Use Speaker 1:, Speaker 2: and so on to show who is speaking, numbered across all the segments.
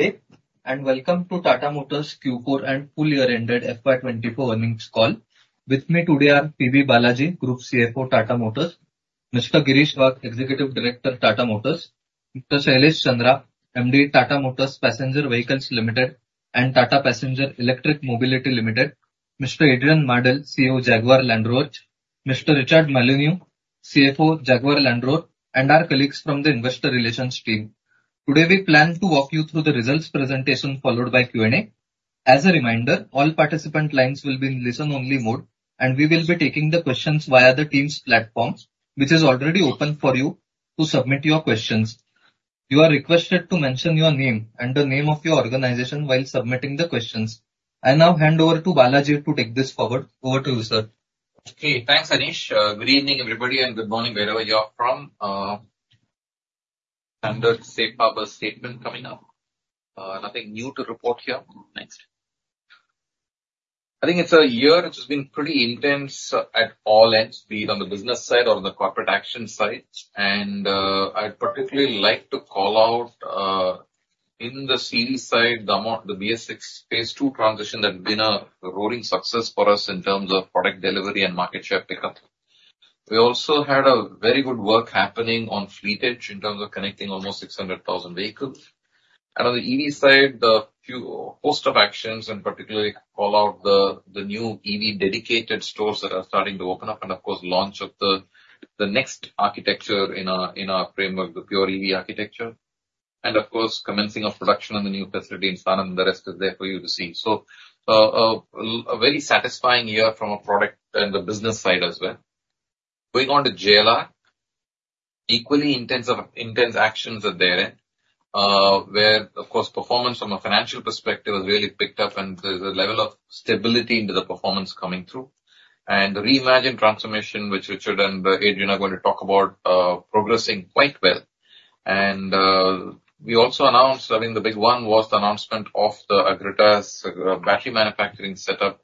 Speaker 1: Good day, and welcome to Tata Motors Q4 and full year ended FY 2024 earnings call. With me today are P.B. Balaji, Group CFO, Tata Motors; Mr. Girish Wagh, Executive Director, Tata Motors; Mr. Shailesh Chandra, MD, Tata Motors Passenger Vehicles Limited and Tata Passenger Electric Mobility Limited; Mr. Adrian Mardell, CEO, Jaguar Land Rover; Mr. Richard Molyneux, CFO, Jaguar Land Rover, and our colleagues from the investor relations team. Today, we plan to walk you through the results presentation, followed by Q&A. As a reminder, all participant lines will be in listen-only mode, and we will be taking the questions via the Teams platform, which is already open for you to submit your questions. You are requested to mention your name and the name of your organization while submitting the questions. I now hand over to Balaji to take this forward. Over to you, sir.
Speaker 2: Okay, thanks, Anish. Good evening, everybody, and good morning, wherever you are from. Standard safe harbor statement coming up. Nothing new to report here. Next. I think it's a year which has been pretty intense at all ends, be it on the business side or on the corporate action side. And, I'd particularly like to call out, in the CE side, the BS6 Phase 2 transition that's been a roaring success for us in terms of product delivery and market share pickup. We also had a very good work happening on Fleet Edge in terms of connecting almost 600,000 vehicles. And on the EV side, a host of actions, and particularly call out the new EV dedicated stores that are starting to open up, and of course, launch of the next architecture in our framework, the pure EV architecture, and of course, commencing of production on the new facility in Sanand. The rest is there for you to see. So, a very satisfying year from a product and the business side as well. Moving on to JLR, equally intense actions are there, where, of course, performance from a financial perspective has really picked up, and there's a level of stability into the performance coming through. And the reimagined transformation, which Richard and Adrian are going to talk about, progressing quite well. And, we also announced, I mean, the big one was the announcement of the Agratas's battery manufacturing setup,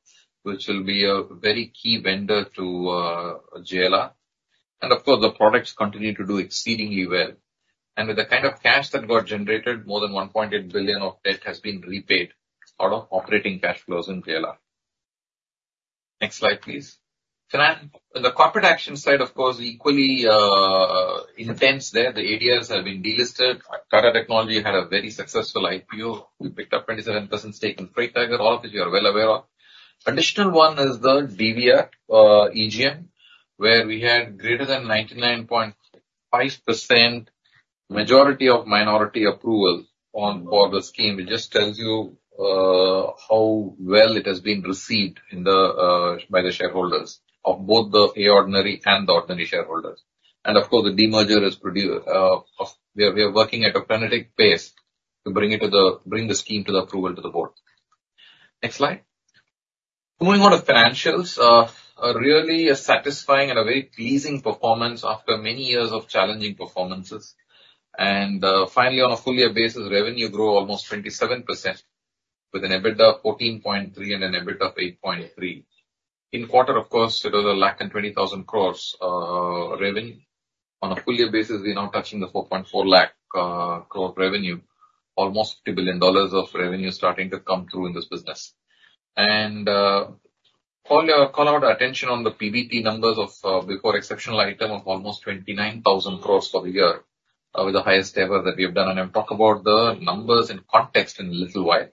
Speaker 2: which will be a very key vendor to JLR. And of course, the products continue to do exceedingly well. And with the kind of cash that got generated, more than 1.8 billion of debt has been repaid out of operating cash flows in JLR. Next slide, please. Can I... The corporate action side, of course, equally, intense there. The ADRs have been delisted. Tata Technologies had a very successful IPO. We picked up 27% stake in Freight Tiger, all of which you are well aware of. Additional one is the DVR, EGM, where we had greater than 99.5% majority of minority approval on, for the scheme. It just tells you how well it has been received in the by the shareholders of both the A ordinary and the ordinary shareholders. Of course, the demerger is we are working at a frenetic pace to bring the scheme to the approval to the board. Next slide. Moving on to financials, a really satisfying and a very pleasing performance after many years of challenging performances. Finally, on a full year basis, revenue grew almost 27%, with an EBITDA of 14.3 and an EBIT of 8.3. In quarter, of course, it was 120,000 crore revenue. On a full year basis, we're now touching the 4.4 lakh crore revenue, almost $50 billion of revenue starting to come through in this business. Call out attention on the PBT numbers before exceptional item of almost 29,000 crore for the year, with the highest ever that we have done. I'll talk about the numbers in context in a little while.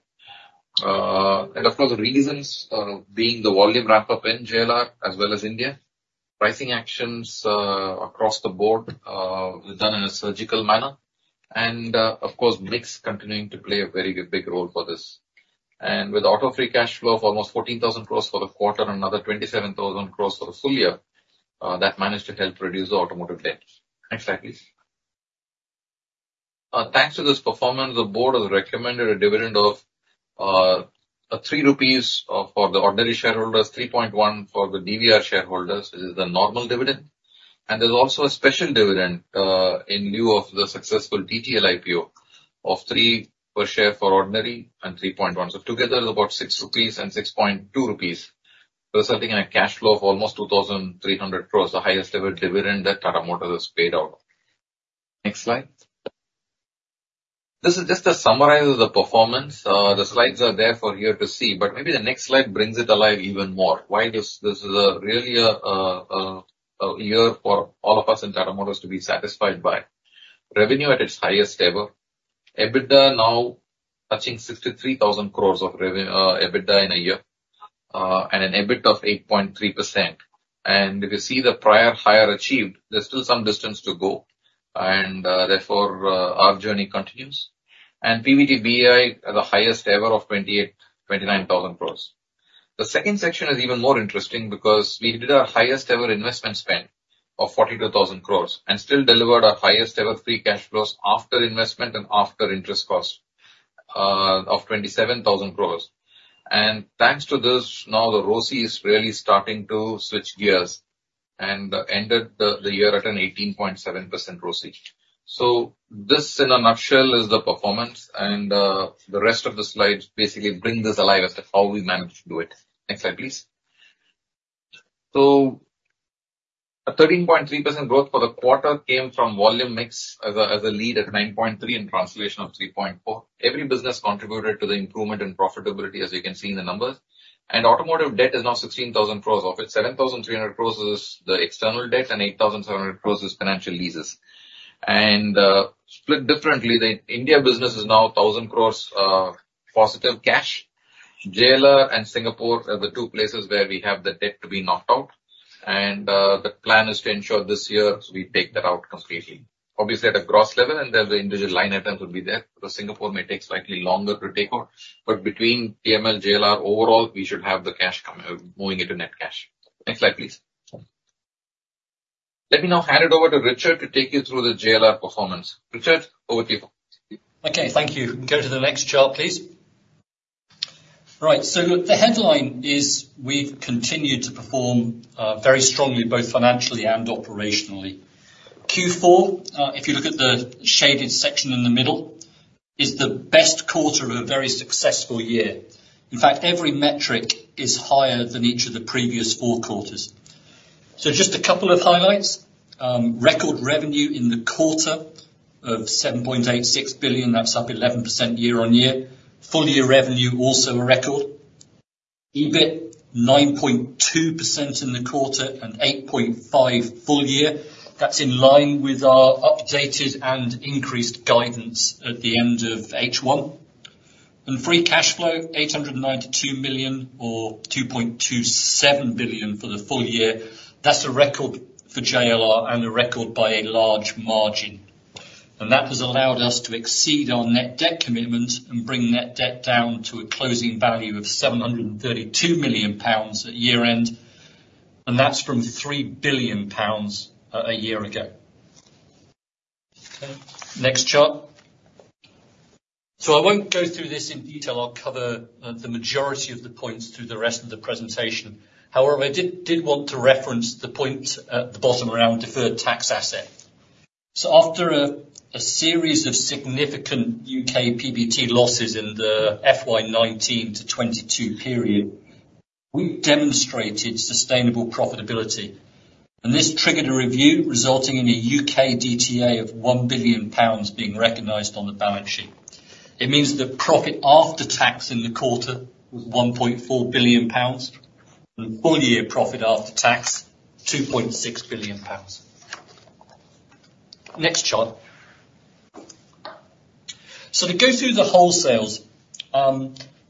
Speaker 2: Of course, the reasons being the volume ramp-up in JLR as well as India, pricing actions across the board done in a surgical manner, and of course, mix continuing to play a very big role for this. With auto-free cash flow of almost 14,000 crore for the quarter, another 27,000 crore for the full year, that managed to help reduce the automotive debt. Next slide, please. Thanks to this performance, the board has recommended a dividend of 3 rupees for the ordinary shareholders, 3.1 for the DVR shareholders. This is the normal dividend. There's also a special dividend in lieu of the successful TTL IPO of 3 per share for ordinary and 3.1. So together, about 6 rupees and 6.2 rupees. So something like a cash flow of almost 2,300 crore, the highest ever dividend that Tata Motors has paid out. Next slide. This is just to summarize the performance. The slides are there for you to see, but maybe the next slide brings it alive even more. Why this, this is really a year for all of us in Tata Motors to be satisfied by. Revenue at its highest ever. EBITDA now touching 63,000 crore of revenue, EBITDA in a year, and an EBIT of 8.3%. If you see the prior higher achieved, there's still some distance to go, and, therefore, our journey continues. And PBTBI are the highest ever of 28,000-29,000 crores. The second section is even more interesting because we did our highest ever investment spend of 42,000 crores and still delivered our highest ever free cash flows after investment and after interest cost, of 27,000 crores. And thanks to this, now the ROCE is really starting to switch gears and ended the year at an 18.7% ROCE. So this, in a nutshell, is the performance, and, the rest of the slides basically bring this alive as to how we managed to do it. Next slide, please. So-... A 13.3% growth for the quarter came from volume mix as a, as a lead at 9.3, and translation of 3.4. Every business contributed to the improvement in profitability, as you can see in the numbers. Automotive debt is now 16,000 crore of it. 7,300 crore is the external debt, and 8,700 crore is financial leases. Split differently, the India business is now 1,000 crore positive cash. JLR and Singapore are the two places where we have the debt to be knocked out, and the plan is to ensure this year we take that out completely. Obviously, at a gross level, and then the individual line items will be there, because Singapore may take slightly longer to take out. But between TML, JLR, overall, we should have the cash coming, moving into net cash. Next slide, please. Let me now hand it over to Richard to take you through the JLR performance. Richard, over to you.
Speaker 3: Okay, thank you. Go to the next chart, please. Right, so look, the headline is we've continued to perform very strongly, both financially and operationally. Q4, if you look at the shaded section in the middle, is the best quarter of a very successful year. In fact, every metric is higher than each of the previous four quarters. So just a couple of highlights. Record revenue in the quarter of 7.86 billion, that's up 11% year-on-year. Full year revenue, also a record. EBIT, 9.2% in the quarter, and 8.5% full year. That's in line with our updated and increased guidance at the end of H1. And free cashflow, 892 million, or 2.27 billion for the full year. That's a record for JLR and a record by a large margin. That has allowed us to exceed our net debt commitment and bring net debt down to a closing value of 732 million pounds at year-end, and that's from 3 billion pounds a year ago. Okay, next chart. I won't go through this in detail. I'll cover the majority of the points through the rest of the presentation. However, I did want to reference the point at the bottom around deferred tax asset. After a series of significant UK PBT losses in the FY 2019-2022 period, we demonstrated sustainable profitability, and this triggered a review, resulting in a UK DTA of 1 billion pounds being recognized on the balance sheet. It means that profit after tax in the quarter was GBP 1.4 billion, and full year profit after tax, GBP 2.6 billion. Next chart. So to go through the wholesales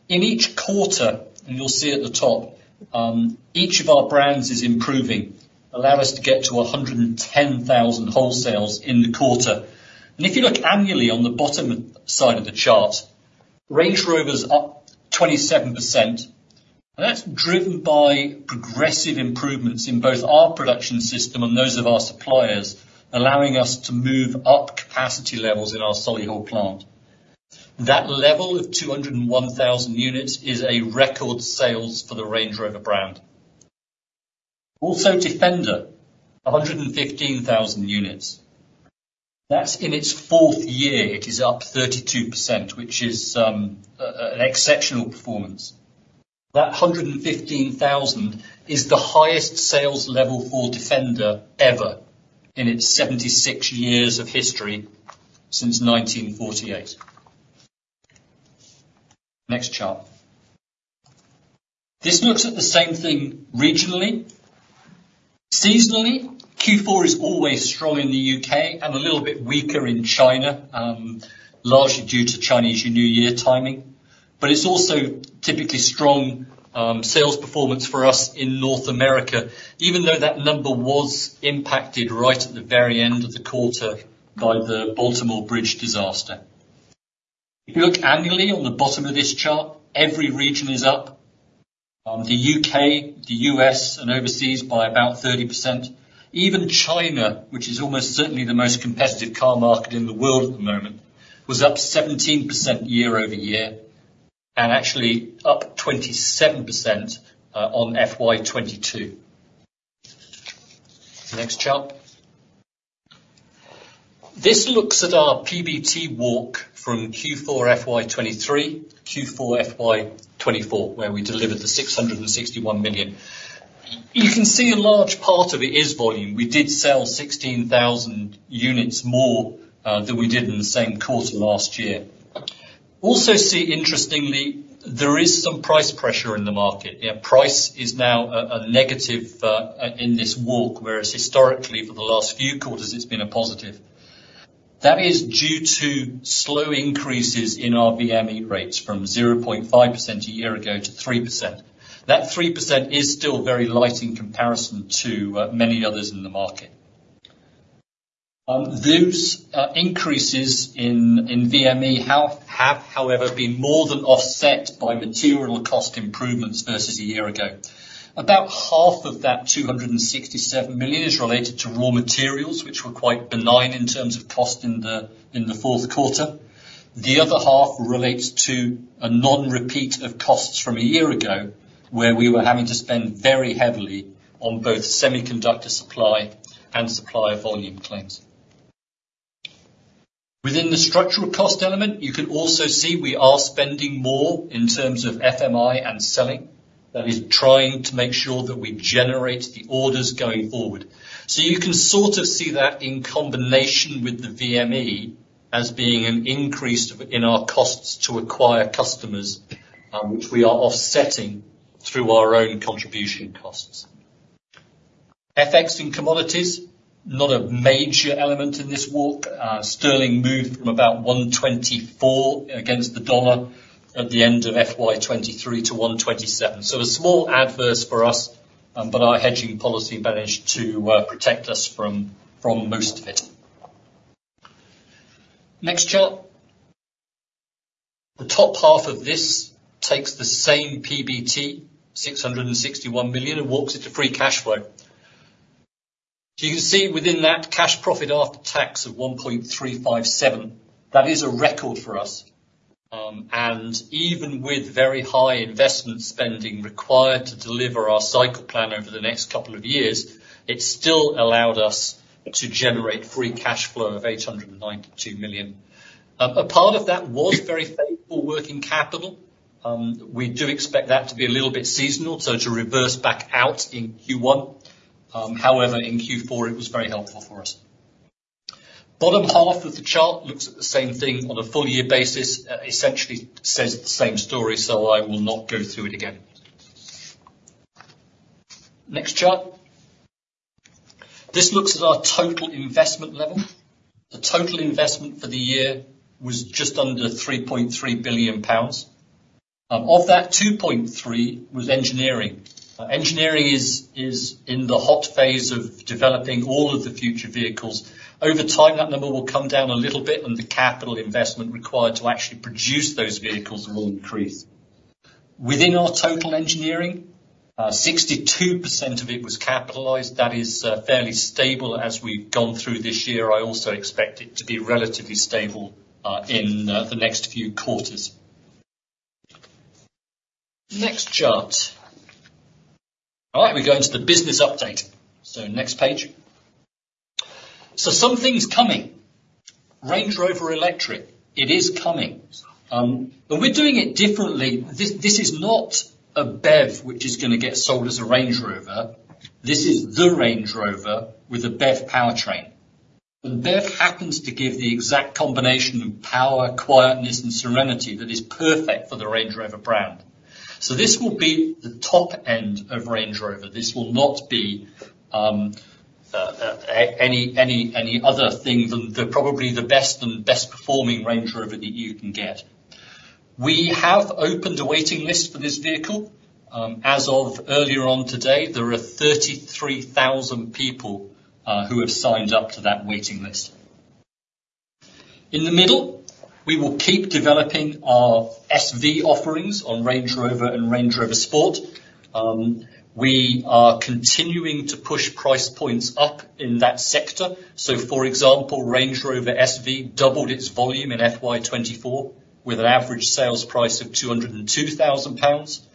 Speaker 3: in each quarter, and you'll see at the top, each of our brands is improving, allow us to get to 110,000 wholesales in the quarter. And if you look annually on the bottom side of the chart, Range Rover's up 27%, and that's driven by progressive improvements in both our production system and those of our suppliers, allowing us to move up capacity levels in our Solihull plant. That level of 201,000 units is a record sales for the Range Rover brand. Also, Defender, 115,000 units. That's in its fourth year, it is up 32%, which is an exceptional performance. That 115,000 is the highest sales level for Defender ever in its 76 years of history since 1948. Next chart. This looks at the same thing regionally. Seasonally, Q4 is always strong in the UK and a little bit weaker in China, largely due to Chinese New Year timing, but it's also typically strong, sales performance for us in North America, even though that number was impacted right at the very end of the quarter by the Baltimore bridge disaster. If you look annually on the bottom of this chart, every region is up. The UK, the US, and overseas by about 30%. Even China, which is almost certainly the most competitive car market in the world at the moment, was up 17% year-over-year, and actually up 27%, on FY 2022. Next chart. This looks at our PBT walk from Q4 FY 2023, Q4 FY 2024, where we delivered 661 million. You can see a large part of it is volume. We did sell 16,000 units more than we did in the same quarter last year. Also see, interestingly, there is some price pressure in the market. Yeah, price is now a negative in this walk, whereas historically, for the last few quarters, it's been a positive. That is due to slow increases in our VME rates from 0.5% a year ago to 3%. That 3% is still very light in comparison to many others in the market. Those increases in VME health have, however, been more than offset by material cost improvements versus a year ago. About half of that 267 million is related to raw materials, which were quite benign in terms of cost in the fourth quarter. The other half relates to a non-repeat of costs from a year ago, where we were having to spend very heavily on both semiconductor supply and supply of volume claims.... Within the structural cost element, you can also see we are spending more in terms of FME and selling. That is, trying to make sure that we generate the orders going forward. So you can sort of see that in combination with the VME, as being an increase in our costs to acquire customers, which we are offsetting through our own contribution costs. FX and commodities, not a major element in this walk. Sterling moved from about 1.24 against the dollar at the end of FY 2023 to 1.27. So a small adverse for us, but our hedging policy managed to protect us from most of it. Next chart. The top half of this takes the same PBT, 661 million, and walks it to free cash flow. So you can see within that cash profit after tax of 1.357 billion, that is a record for us. Even with very high investment spending required to deliver our cycle plan over the next couple of years, it still allowed us to generate free cash flow of 892 million. A part of that was very favorable working capital. We do expect that to be a little bit seasonal, so to reverse back out in Q1. However, in Q4, it was very helpful for us. Bottom half of the chart looks at the same thing on a full year basis. Essentially says the same story, so I will not go through it again. Next chart. This looks at our total investment level. The total investment for the year was just under 3.3 billion pounds. Of that, 2.3 was engineering. Engineering is, is in the hot phase of developing all of the future vehicles. Over time, that number will come down a little bit, and the capital investment required to actually produce those vehicles will increase. Within our total engineering, 62% of it was capitalized. That is, fairly stable as we've gone through this year. I also expect it to be relatively stable, in, the next few quarters. Next chart. All right, we go into the business update. So next page. So something's coming. Range Rover Electric. It is coming. But we're doing it differently. This, this is not a BEV, which is gonna get sold as a Range Rover. This is the Range Rover with a BEV powertrain. BEV happens to give the exact combination of power, quietness, and serenity that is perfect for the Range Rover brand. This will be the top end of Range Rover. This will not be any other thing than probably the best and best performing Range Rover that you can get. We have opened a waiting list for this vehicle. As of earlier on today, there are 33,000 people who have signed up to that waiting list. In the middle, we will keep developing our SV offerings on Range Rover and Range Rover Sport. We are continuing to push price points up in that sector. For example, Range Rover SV doubled its volume in FY 2024, with an average sales price of 202,000 pounds.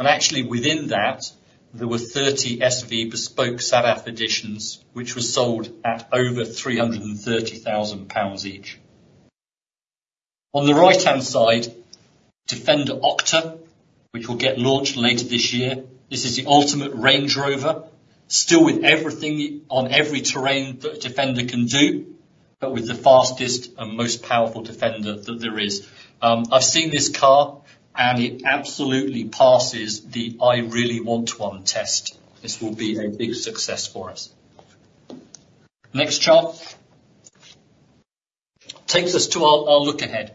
Speaker 3: Actually within that, there were 30 SV Bespoke Sadaf editions, which were sold at over 330,000 pounds each. On the right-hand side, Defender OCTA, which will get launched later this year. This is the ultimate Range Rover, still with everything on every terrain that a Defender can do, but with the fastest and most powerful Defender that there is. I've seen this car, and it absolutely passes the I really want one test. This will be a big success for us. Next chart. Takes us to our look ahead.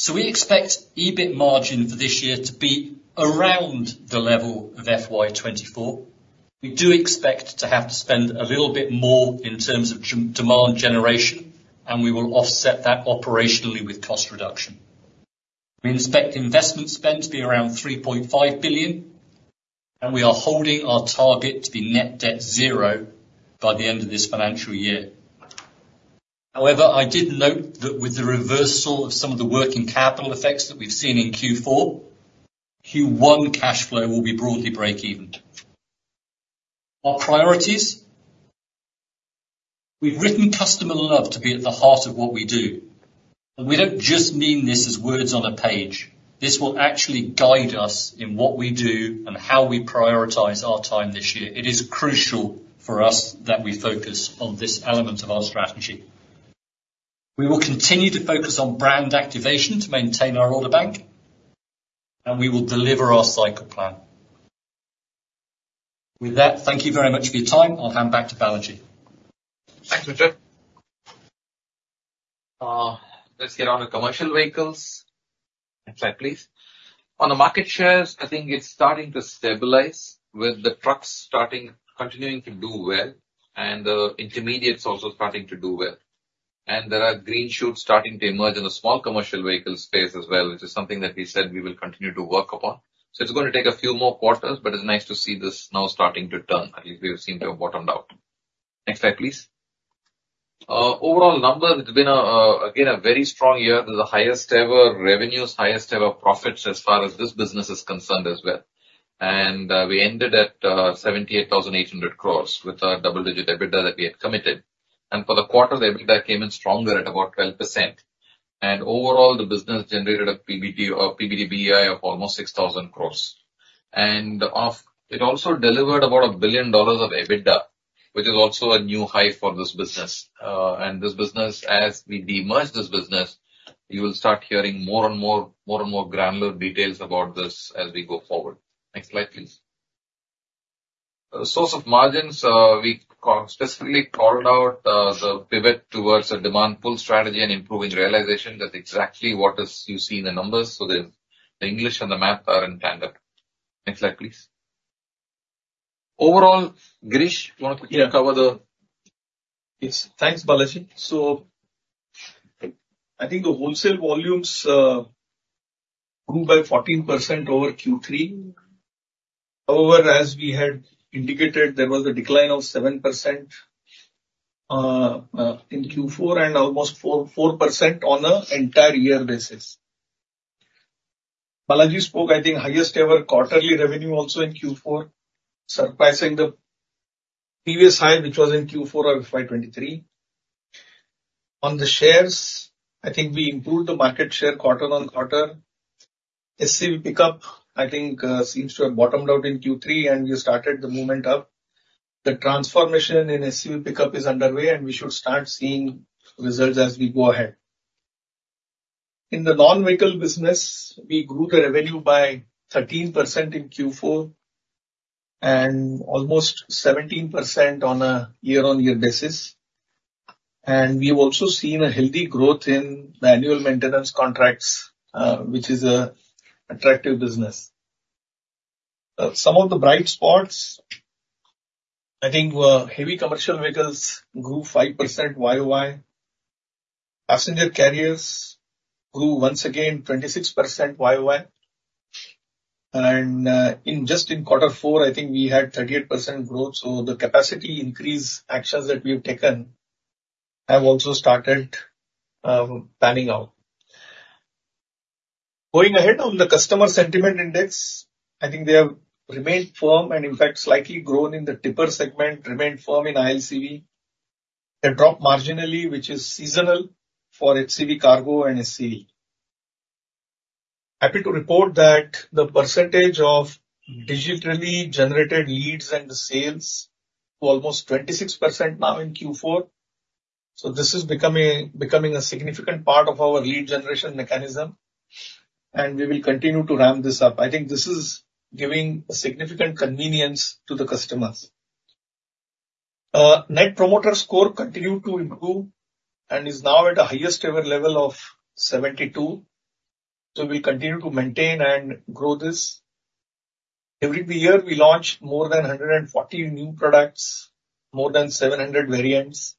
Speaker 3: So we expect EBIT margin for this year to be around the level of FY 2024. We do expect to have to spend a little bit more in terms of demand generation, and we will offset that operationally with cost reduction. We expect investment spend to be around 3.5 billion, and we are holding our target to be net debt zero by the end of this financial year. However, I did note that with the reversal of some of the working capital effects that we've seen in Q4, Q1 cash flow will be broadly breakeven. Our priorities: We've written customer love to be at the heart of what we do, and we don't just mean this as words on a page. This will actually guide us in what we do and how we prioritize our time this year. It is crucial for us that we focus on this element of our strategy. We will continue to focus on brand activation to maintain our order bank, and we will deliver our cycle plan. With that, thank you very much for your time. I'll hand back to Balaji.
Speaker 2: Thanks, Richard. Let's get on with commercial vehicles. Next slide, please. On the market shares, I think it's starting to stabilize, with the trucks starting -- continuing to do well, and the intermediates also starting to do well. And there are green shoots starting to emerge in the small commercial vehicle space as well, which is something that we said we will continue to work upon. So it's going to take a few more quarters, but it's nice to see this now starting to turn, and we seem to have bottomed out. Next slide, please. Overall numbers, it's been a, again, a very strong year. This is the highest ever revenues, highest ever profits, as far as this business is concerned as well... and, we ended at 78,800 crore with our double-digit EBITDA that we had committed. For the quarter, the EBITDA came in stronger at about 12%. Overall, the business generated a PBT or PBTBI of almost 6,000 crore. It also delivered about $1 billion of EBITDA, which is also a new high for this business. And this business, as we demerge this business, you will start hearing more and more, more and more granular details about this as we go forward. Next slide, please. Source of margins, we specifically called out the pivot towards a demand pull strategy and improving realization. That's exactly what you see in the numbers, so the English and the math are in tandem. Next slide, please. Overall, Girish, you want to cover the-
Speaker 4: Yes. Thanks, Balaji. So I think the wholesale volumes grew by 14% over Q3. However, as we had indicated, there was a decline of 7% in Q4 and almost 4% on an entire year basis. Balaji spoke, I think, highest ever quarterly revenue also in Q4, surpassing the previous high, which was in Q4 of FY 2023. On the shares, I think we improved the market share quarter-on-quarter. SCV pickup, I think, seems to have bottomed out in Q3, and we started the movement up. The transformation in SCV pickup is underway, and we should start seeing results as we go ahead. In the non-vehicle business, we grew the revenue by 13% in Q4 and almost 17% on a year-on-year basis. We've also seen a healthy growth in the annual maintenance contracts, which is a attractive business. Some of the bright spots, I think, were heavy commercial vehicles grew 5% YOY. Passenger carriers grew once again 26% YOY. In just quarter four, I think we had 38% growth, so the capacity increase actions that we have taken have also started panning out. Going ahead on the customer sentiment index, I think they have remained firm and in fact slightly grown in the tipper segment, remained firm in ILCV. They dropped marginally, which is seasonal, for HCV cargo and SCV. Happy to report that the percentage of digitally generated leads and the sales to almost 26% now in Q4. So this is becoming a significant part of our lead generation mechanism, and we will continue to ramp this up. I think this is giving a significant convenience to the customers. Net promoter score continued to improve and is now at the highest ever level of 72. So we continue to maintain and grow this. Every year, we launch more than 140 new products, more than 700 variants,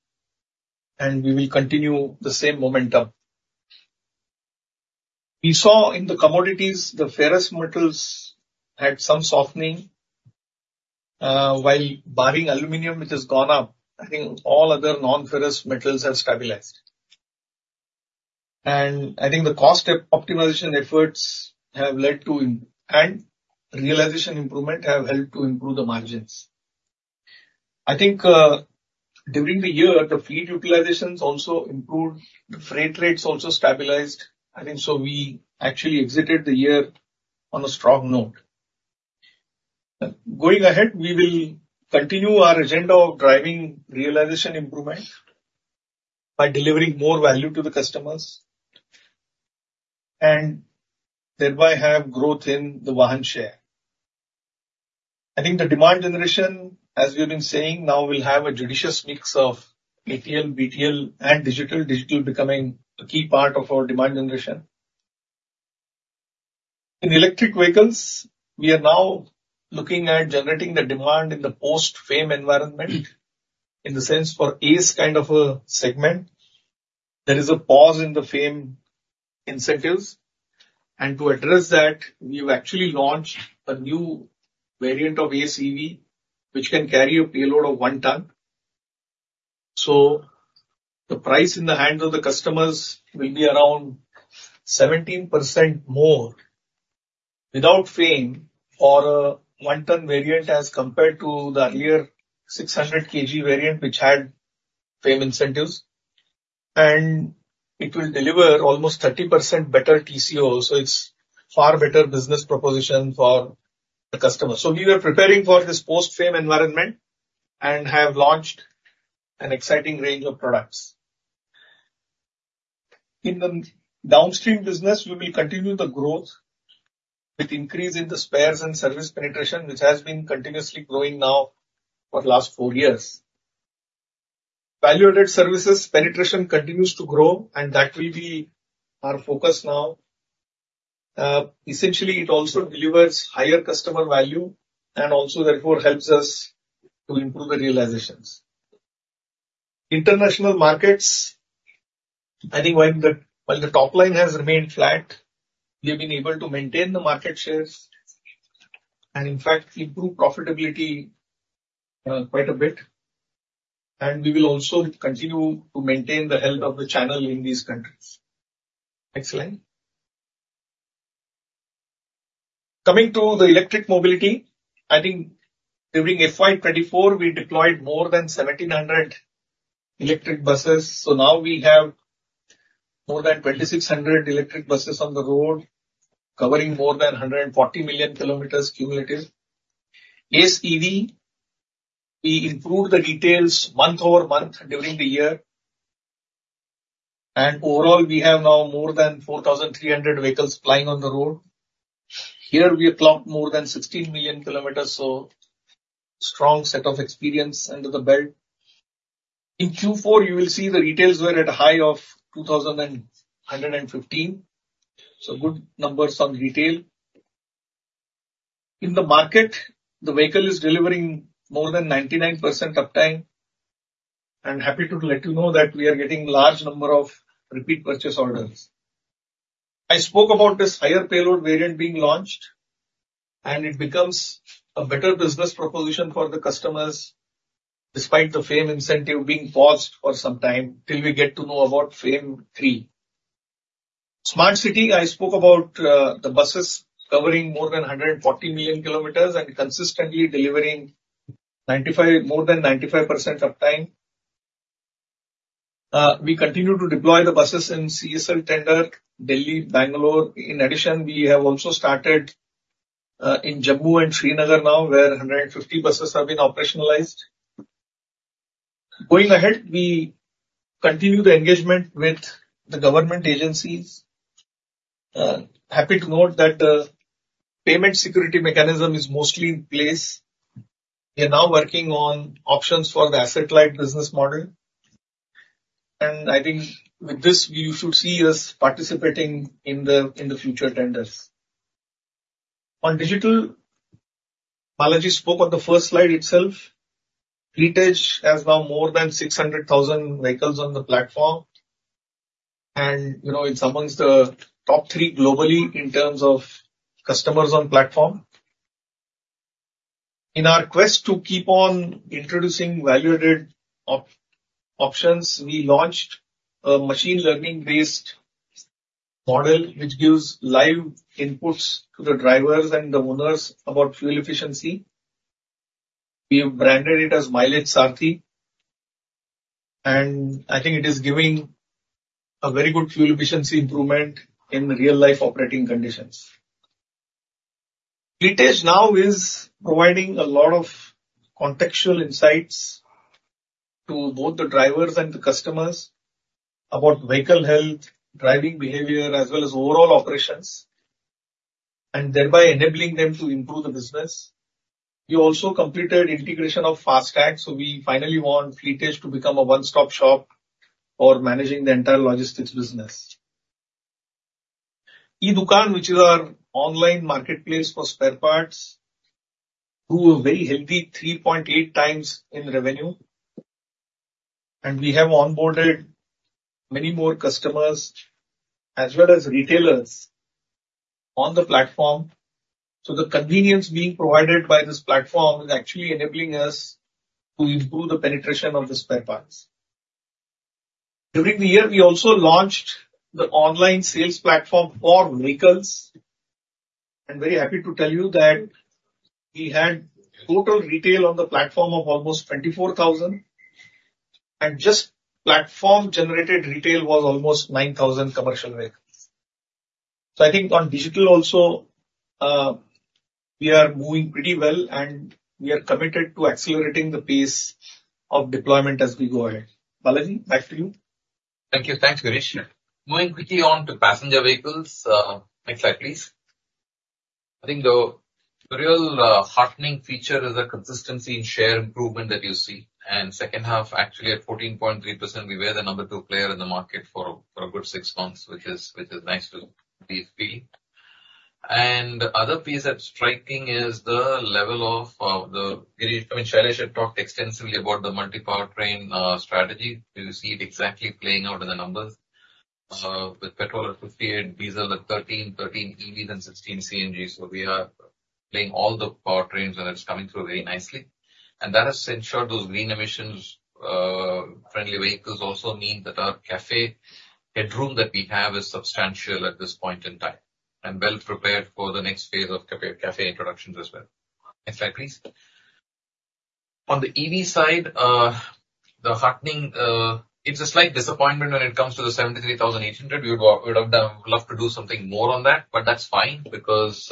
Speaker 4: and we will continue the same momentum. We saw in the commodities, the ferrous metals had some softening, while barring aluminum, which has gone up, I think all other non-ferrous metals have stabilized. And I think the cost optimization efforts have led to improvement and realization improvement have helped to improve the margins. I think, during the year, the fleet utilizations also improved, the freight rates also stabilized. I think so we actually exited the year on a strong note. Going ahead, we will continue our agenda of driving realization improvement by delivering more value to the customers, and thereby have growth in the Vahan share. I think the demand generation, as we've been saying, now we'll have a judicious mix of ATL, BTL, and digital. Digital becoming a key part of our demand generation. In electric vehicles, we are now looking at generating the demand in the post-FAME environment. In the sense for Ace kind of a segment, there is a pause in the FAME incentives, and to address that, we've actually launched a new variant of Ace EV, which can carry a payload of 1 ton. So the price in the hands of the customers will be around 17% more without FAME for a 1 ton variant as compared to the earlier 600 kg variant, which had FAME incentives. It will deliver almost 30% better TCO, so it's far better business proposition for the customer. So we were preparing for this post-FAME environment and have launched an exciting range of products. In the downstream business, we will continue the growth with increase in the spares and service penetration, which has been continuously growing now for the last four years. Value-added services penetration continues to grow, and that will be our focus now. Essentially, it also delivers higher customer value and also, therefore, helps us to improve the realizations. International markets, I think while the, while the top line has remained flat, we've been able to maintain the market shares and in fact, improve profitability, quite a bit. And we will also continue to maintain the health of the channel in these countries. Next slide. Coming to the electric mobility, I think during FY 24, we deployed more than 1,700 electric buses. So now we have more than 2,600 electric buses on the road, covering more than 140 million kilometers cumulative. Ace EV, we improved the details month-over-month during the year, and overall, we have now more than 4,300 vehicles plying on the road. Here, we have clocked more than 16 million kilometers, so strong set of experience under the belt. In Q4, you will see the retails were at a high of 2,115, so good numbers on retail. In the market, the vehicle is delivering more than 99% uptime, and happy to let you know that we are getting large number of repeat purchase orders. I spoke about this higher payload variant being launched, and it becomes a better business proposition for the customers, despite the FAME incentive being paused for some time till we get to know about FAME III. Smart City, I spoke about the buses covering more than 140 million kilometers and consistently delivering more than 95% uptime. We continue to deploy the buses in CESL tender, Delhi, Bangalore. In addition, we have also started in Jammu and Srinagar now, where 150 buses have been operationalized. Going ahead, we continue the engagement with the government agencies. Happy to note that the payment security mechanism is mostly in place. We are now working on options for the asset-light business model, and I think with this you should see us participating in the future tenders. On digital, Balaji spoke on the first slide itself. Fleet Edge has now more than 600,000 vehicles on the platform, and, you know, it's among the top three globally in terms of customers on platform. In our quest to keep on introducing value-added options, we launched a machine learning-based model, which gives live inputs to the drivers and the owners about fuel efficiency. We have branded it as Mileage Sarathi, and I think it is giving a very good fuel efficiency improvement in real-life operating conditions. Fleet Edge now is providing a lot of contextual insights to both the drivers and the customers about vehicle health, driving behavior, as well as overall operations, and thereby enabling them to improve the business. We also completed integration of FASTag, so we finally want Fleet Edge to become a one-stop shop for managing the entire logistics business. e-Dukaan, which is our online marketplace for spare parts, grew a very healthy 3.8 times in revenue, and we have onboarded many more customers as well as retailers on the platform. So the convenience being provided by this platform is actually enabling us to improve the penetration of the spare parts. During the year, we also launched the online sales platform for vehicles. I'm very happy to tell you that we had total retail on the platform of almost 24,000, and just platform-generated retail was almost 9,000 commercial vehicles. So I think on digital also, we are moving pretty well, and we are committed to accelerating the pace of deployment as we go ahead. Balaji, back to you.
Speaker 2: Thank you. Thanks, Girish. Moving quickly on to passenger vehicles. Next slide, please. I think the real heartening feature is the consistency in share improvement that you see, and second half, actually, at 14.3%, we were the number two player in the market for a good six months, which is nice to be seeing. And the other piece that's striking is the level of the... Girish, I mean, Shailesh had talked extensively about the multi-powertrain strategy. You see it exactly playing out in the numbers with petrol at 58, diesel at 13, 13 EVs and 16 CNGs. So we are playing all the powertrains, and it's coming through very nicely. And that has ensured those green emissions friendly vehicles also mean that our CAFE headroom that we have is substantial at this point in time, and well prepared for the next phase of CAFE, CAFE introductions as well. Next slide, please. On the EV side, the heartening... It's a slight disappointment when it comes to the 73,800. We would, would have loved to do something more on that, but that's fine, because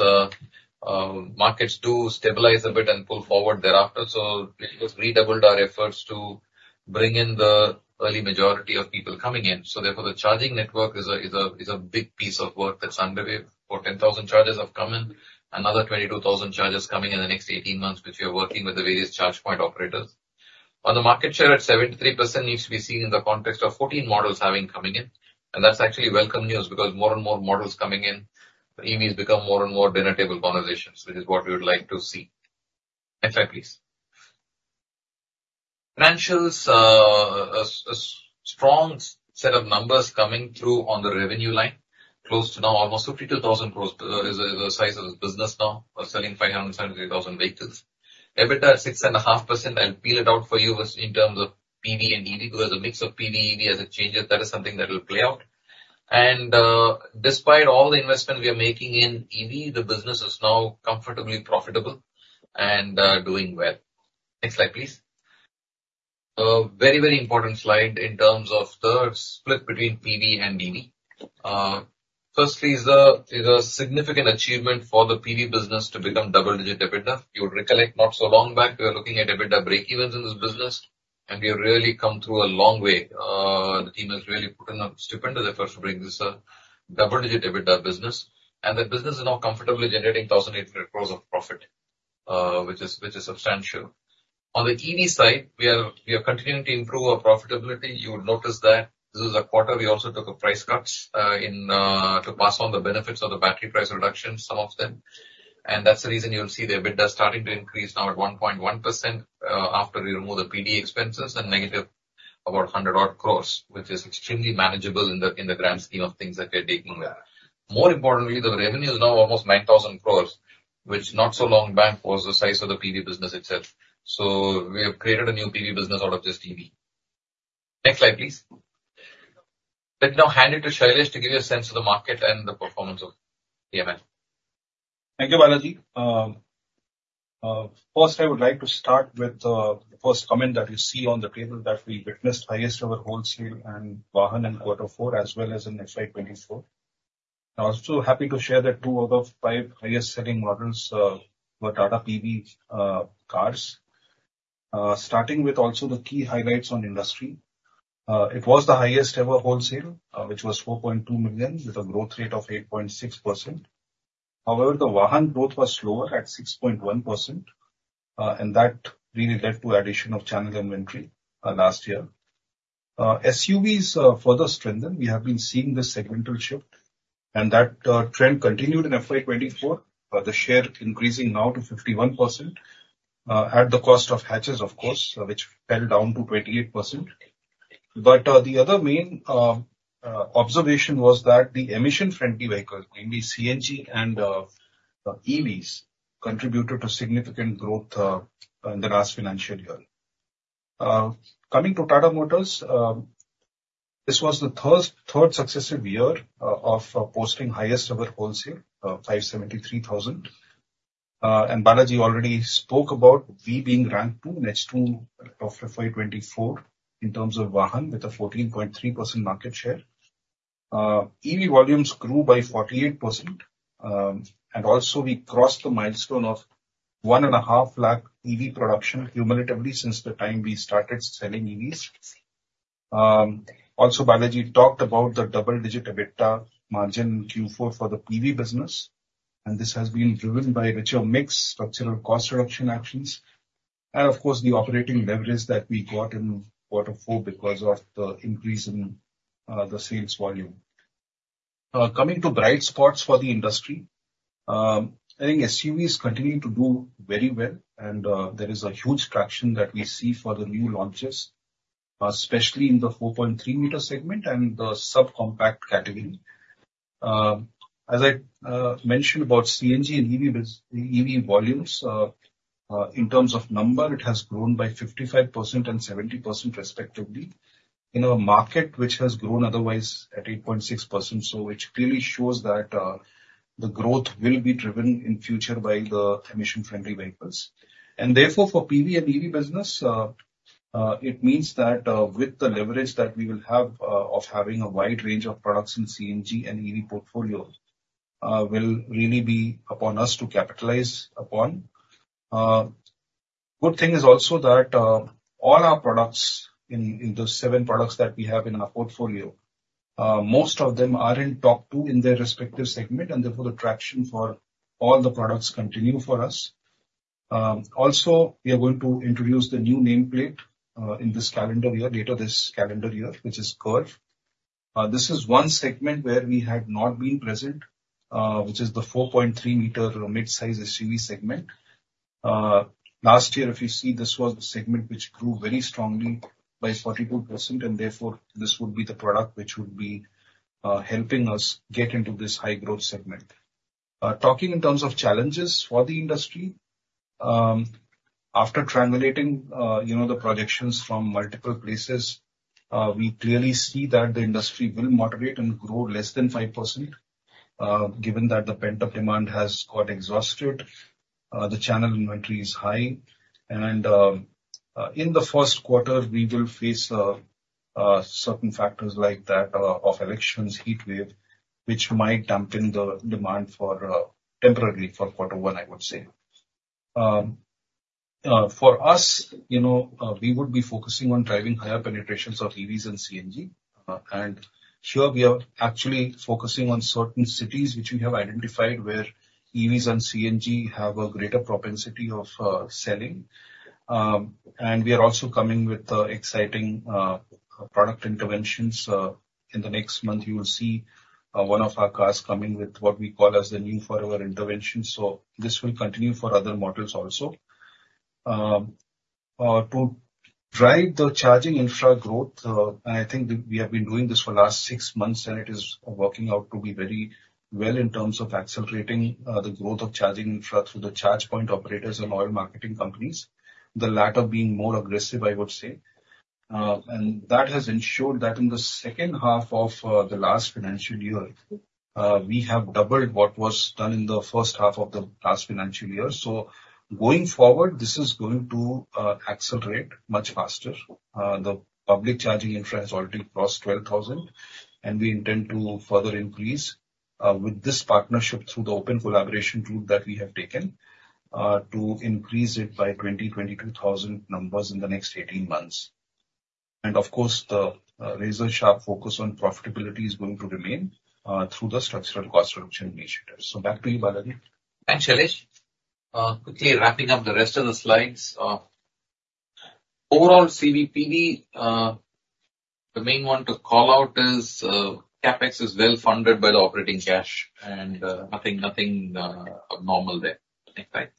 Speaker 2: markets do stabilize a bit and pull forward thereafter. So we just redoubled our efforts to bring in the early majority of people coming in. So therefore, the charging network is a big piece of work that's underway. Over 10,000 chargers have come in, another 22,000 chargers coming in the next 18 months, which we are working with the various charge point operators. On the market share, at 73%, needs to be seen in the context of 14 models having coming in. And that's actually welcome news, because more and more models coming in, the EVs become more and more dinner table conversations, which is what we would like to see. Next slide, please. Financials, set of numbers coming through on the revenue line, close to now almost 52,000 crore, is the, the size of the business now. We're selling 570,000 vehicles. EBITDA is 6.5%. I'll peel it out for you as in terms of PV and EV, because the mix of PV, EV as it changes, that is something that will play out. And, despite all the investment we are making in EV, the business is now comfortably profitable and, doing well. Next slide, please. A very, very important slide in terms of the split between PV and EV. Firstly, a significant achievement for the PV business to become double-digit EBITDA. You would recollect, not so long back, we were looking at EBITDA breakevens in this business, and we have really come through a long way. The team has really put in a stupendous effort to bring this double-digit EBITDA business. And the business is now comfortably generating 1,800 crores of profit, which is substantial. On the EV side, we are continuing to improve our profitability. You would notice that this is a quarter we also took a price cuts in to pass on the benefits of the battery price reduction, some of them. That's the reason you'll see the EBITDA starting to increase now at 1.1%, after we remove the PV expenses and negative about 100 odd crores, which is extremely manageable in the grand scheme of things that we are taking there. More importantly, the revenue is now almost 9,000 crores, which not so long back was the size of the PV business itself. So we have created a new PV business out of this EV. Next slide, please. Let's now hand it to Shailesh to give you a sense of the market and the performance of TML.
Speaker 5: Thank you, Balaji. First, I would like to start with the first comment that you see on the table, that we witnessed highest ever wholesale and VAHAN in Quarter four, as well as in FY 2024. I'm also happy to share that 2 out of 5 highest selling models were Tata PEV cars. Starting with also the key highlights on industry. It was the highest ever wholesale, which was 4.2 million, with a growth rate of 8.6%. However, the VAHAN growth was slower at 6.1%, and that really led to addition of channel inventory last year. SUVs further strengthened. We have been seeing this segmental shift, and that trend continued in FY 2024, the share increasing now to 51%, at the cost of hatches, of course, which fell down to 28%. But the other main observation was that the emission-friendly vehicle, mainly CNG and EVs, contributed to significant growth in the last financial year. Coming to Tata Motors, this was the third successive year of posting highest ever wholesale 573,000. And Balaji already spoke about we being ranked two, next to of FY 2024 in terms of Vahan, with a 14.3% market share. EV volumes grew by 48%, and also we crossed the milestone of 150,000 EV production cumulatively since the time we started selling EVs. Also, Balaji talked about the double-digit EBITDA margin in Q4 for the PEV business, and this has been driven by richer mix, structural cost reduction actions, and of course, the operating leverage that we got in quarter four because of the increase in the sales volume. Coming to bright spots for the industry, I think SUVs continue to do very well, and there is a huge traction that we see for the new launches, especially in the 4.3-meter segment and the sub-compact category. As I mentioned about CNG and EV volumes, in terms of number, it has grown by 55% and 70% respectively. In a market which has grown otherwise at 8.6%, so which clearly shows that the growth will be driven in future by the emission-friendly vehicles. Therefore, for PEV and EV business, it means that, with the leverage that we will have, of having a wide range of products in CNG and EV portfolio, will really be upon us to capitalize upon. Good thing is also that, all our products in the seven products that we have in our portfolio, most of them are in top two in their respective segment, and therefore, the traction for all the products continue for us. Also, we are going to introduce the new nameplate, in this calendar year, later this calendar year, which is Curvv. This is one segment where we had not been present, which is the 4.3-meter mid-size SUV segment. Last year, if you see, this was the segment which grew very strongly by 42%, and therefore, this would be the product which would be helping us get into this high-growth segment. Talking in terms of challenges for the industry, after triangulating, you know, the projections from multiple places, we clearly see that the industry will moderate and grow less than 5%, given that the pent-up demand has got exhausted, the channel inventory is high, and in the first quarter, we will face certain factors like that of elections, heat wave, which might dampen the demand for temporarily for quarter one, I would say. For us, you know, we would be focusing on driving higher penetrations of EVs and CNG, and sure, we are actually focusing on certain cities which we have identified, where EVs and CNG have a greater propensity of selling. And we are also coming with exciting product interventions in the next month, you will see one of our cars coming with what we call as the new forever intervention, so this will continue for other models also to drive the charging infra growth, and I think we have been doing this for the last six months, and it is working out to be very well in terms of accelerating the growth of charging infra through the charge point operators and oil marketing companies, the latter being more aggressive, I would say. And that has ensured that in the second half of the last financial year, we have doubled what was done in the first half of the last financial year. So going forward, this is going to accelerate much faster. The public charging infra has already crossed 12,000, and we intend to further increase with this partnership through the open collaboration route that we have taken to increase it by 22,000 numbers in the next 18 months. And of course, the razor-sharp focus on profitability is going to remain through the structural cost reduction initiatives. So back to you, Balaji.
Speaker 2: Thanks, Shailesh. Quickly wrapping up the rest of the slides. Overall, CV PV, the main one to call out is, CapEx is well-funded by the operating cash, and, nothing abnormal there. Next slide.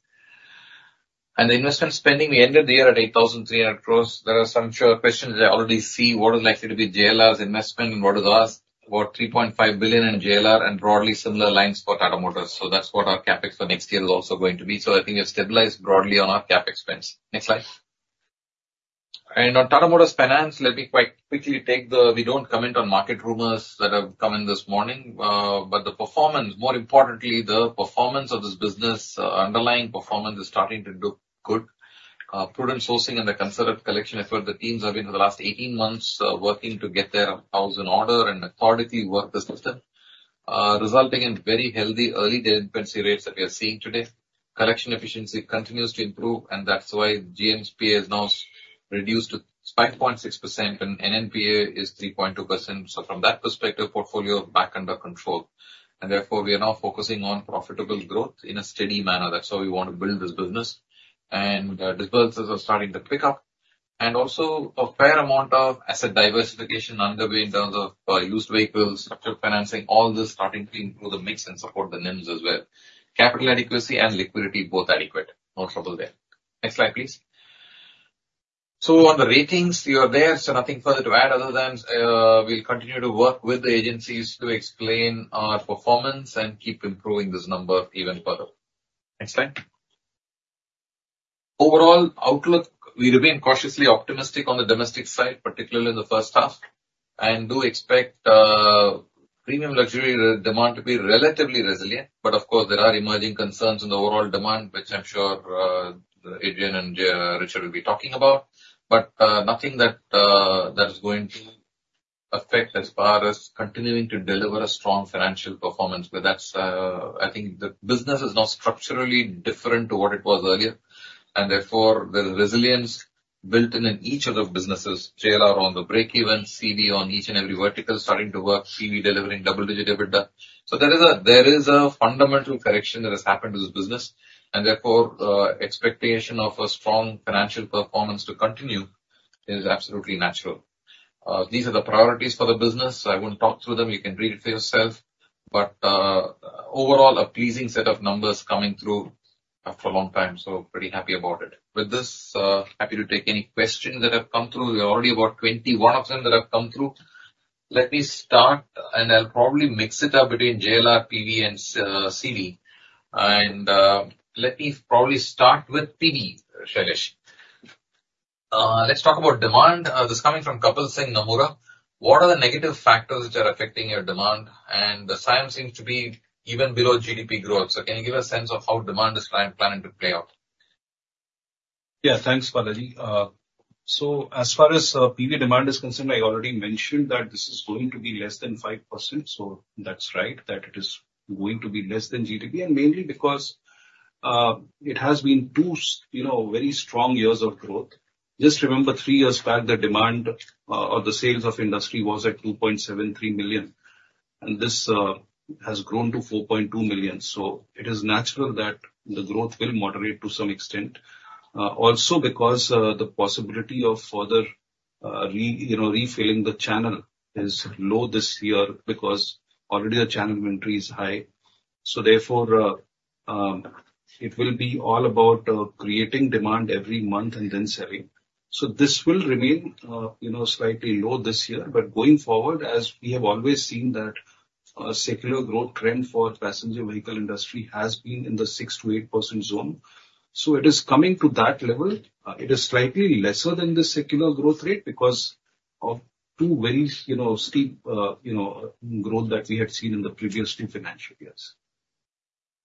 Speaker 2: The investment spending, we ended the year at 8,300 crore. There are some questions I already see what is likely to be JLR's investment, and what is the last, about 3.5 billion in JLR and broadly similar lines for Tata Motors. So that's what our CapEx for next year is also going to be. So I think it's stabilized broadly on our CapEx spends. Next slide. On Tata Motors Finance, let me quite quickly take the... We don't comment on market rumors that have come in this morning, but the performance, more importantly, the performance of this business, underlying performance, is starting to look good. Prudent sourcing and the considered collection effort, the teams have been, in the last 18 months, working to get their house in order, and authorities work the system, resulting in very healthy early delinquency rates that we are seeing today. Collection efficiency continues to improve, and that's why GNPA has now reduced to 5.6% and NNPA is 3.2%. So from that perspective, portfolio back under control, and therefore, we are now focusing on profitable growth in a steady manner. That's how we want to build this business. And, disbursements are starting to pick up. And also a fair amount of asset diversification underway in terms of, used vehicles, structured financing, all this starting to improve the mix and support the NIMs as well. Capital adequacy and liquidity, both are adequate. No trouble there. Next slide, please. So on the ratings, you are there, so nothing further to add other than, we'll continue to work with the agencies to explain our performance and keep improving this number even further. Next slide. Overall outlook, we remain cautiously optimistic on the domestic side, particularly in the first half, and do expect, premium luxury demand to be relatively resilient. But of course, there are emerging concerns in the overall demand, which I'm sure, Adrian and, Richard will be talking about. But, nothing that is going to affect as far as continuing to deliver a strong financial performance. But that's, I think the business is now structurally different to what it was earlier, and therefore, there's resilience built in, in each of the businesses. JLR on the breakeven, CV on each and every vertical starting to work, CV delivering double-digit EBITDA. So there is a, there is a fundamental correction that has happened to this business, and therefore, expectation of a strong financial performance to continue is absolutely natural. These are the priorities for the business. I won't talk through them, you can read it for yourself. But, overall, a pleasing set of numbers coming through after a long time, so pretty happy about it. With this, happy to take any questions that have come through. There are already about 21 of them that have come through. Let me start, and I'll probably mix it up between JLR, PV, and CV. Let me probably start with PV, Shailesh. Let's talk about demand. This is coming from Kapil Singh, Nomura. What are the negative factors which are affecting your demand? And the sign seems to be even below GDP growth. So can you give a sense of how demand is planning to play out?
Speaker 5: Yeah. Thanks, Balaji. So as far as PV demand is concerned, I already mentioned that this is going to be less than 5%, so that's right, that it is going to be less than GDP. And mainly because it has been two, you know, very strong years of growth. Just remember, three years back, the demand or the sales of industry was at 2.73 million, and this has grown to 4.2 million. So it is natural that the growth will moderate to some extent. Also because the possibility of further you know, refilling the channel is low this year, because already the channel inventory is high. So therefore it will be all about creating demand every month and then selling. So this will remain you know, slightly low this year. But going forward, as we have always seen, that, secular growth trend for passenger vehicle industry has been in the 6%-8% zone. So it is coming to that level. It is slightly lesser than the secular growth rate because of two very, you know, steep, you know, growth that we had seen in the previous two financial years.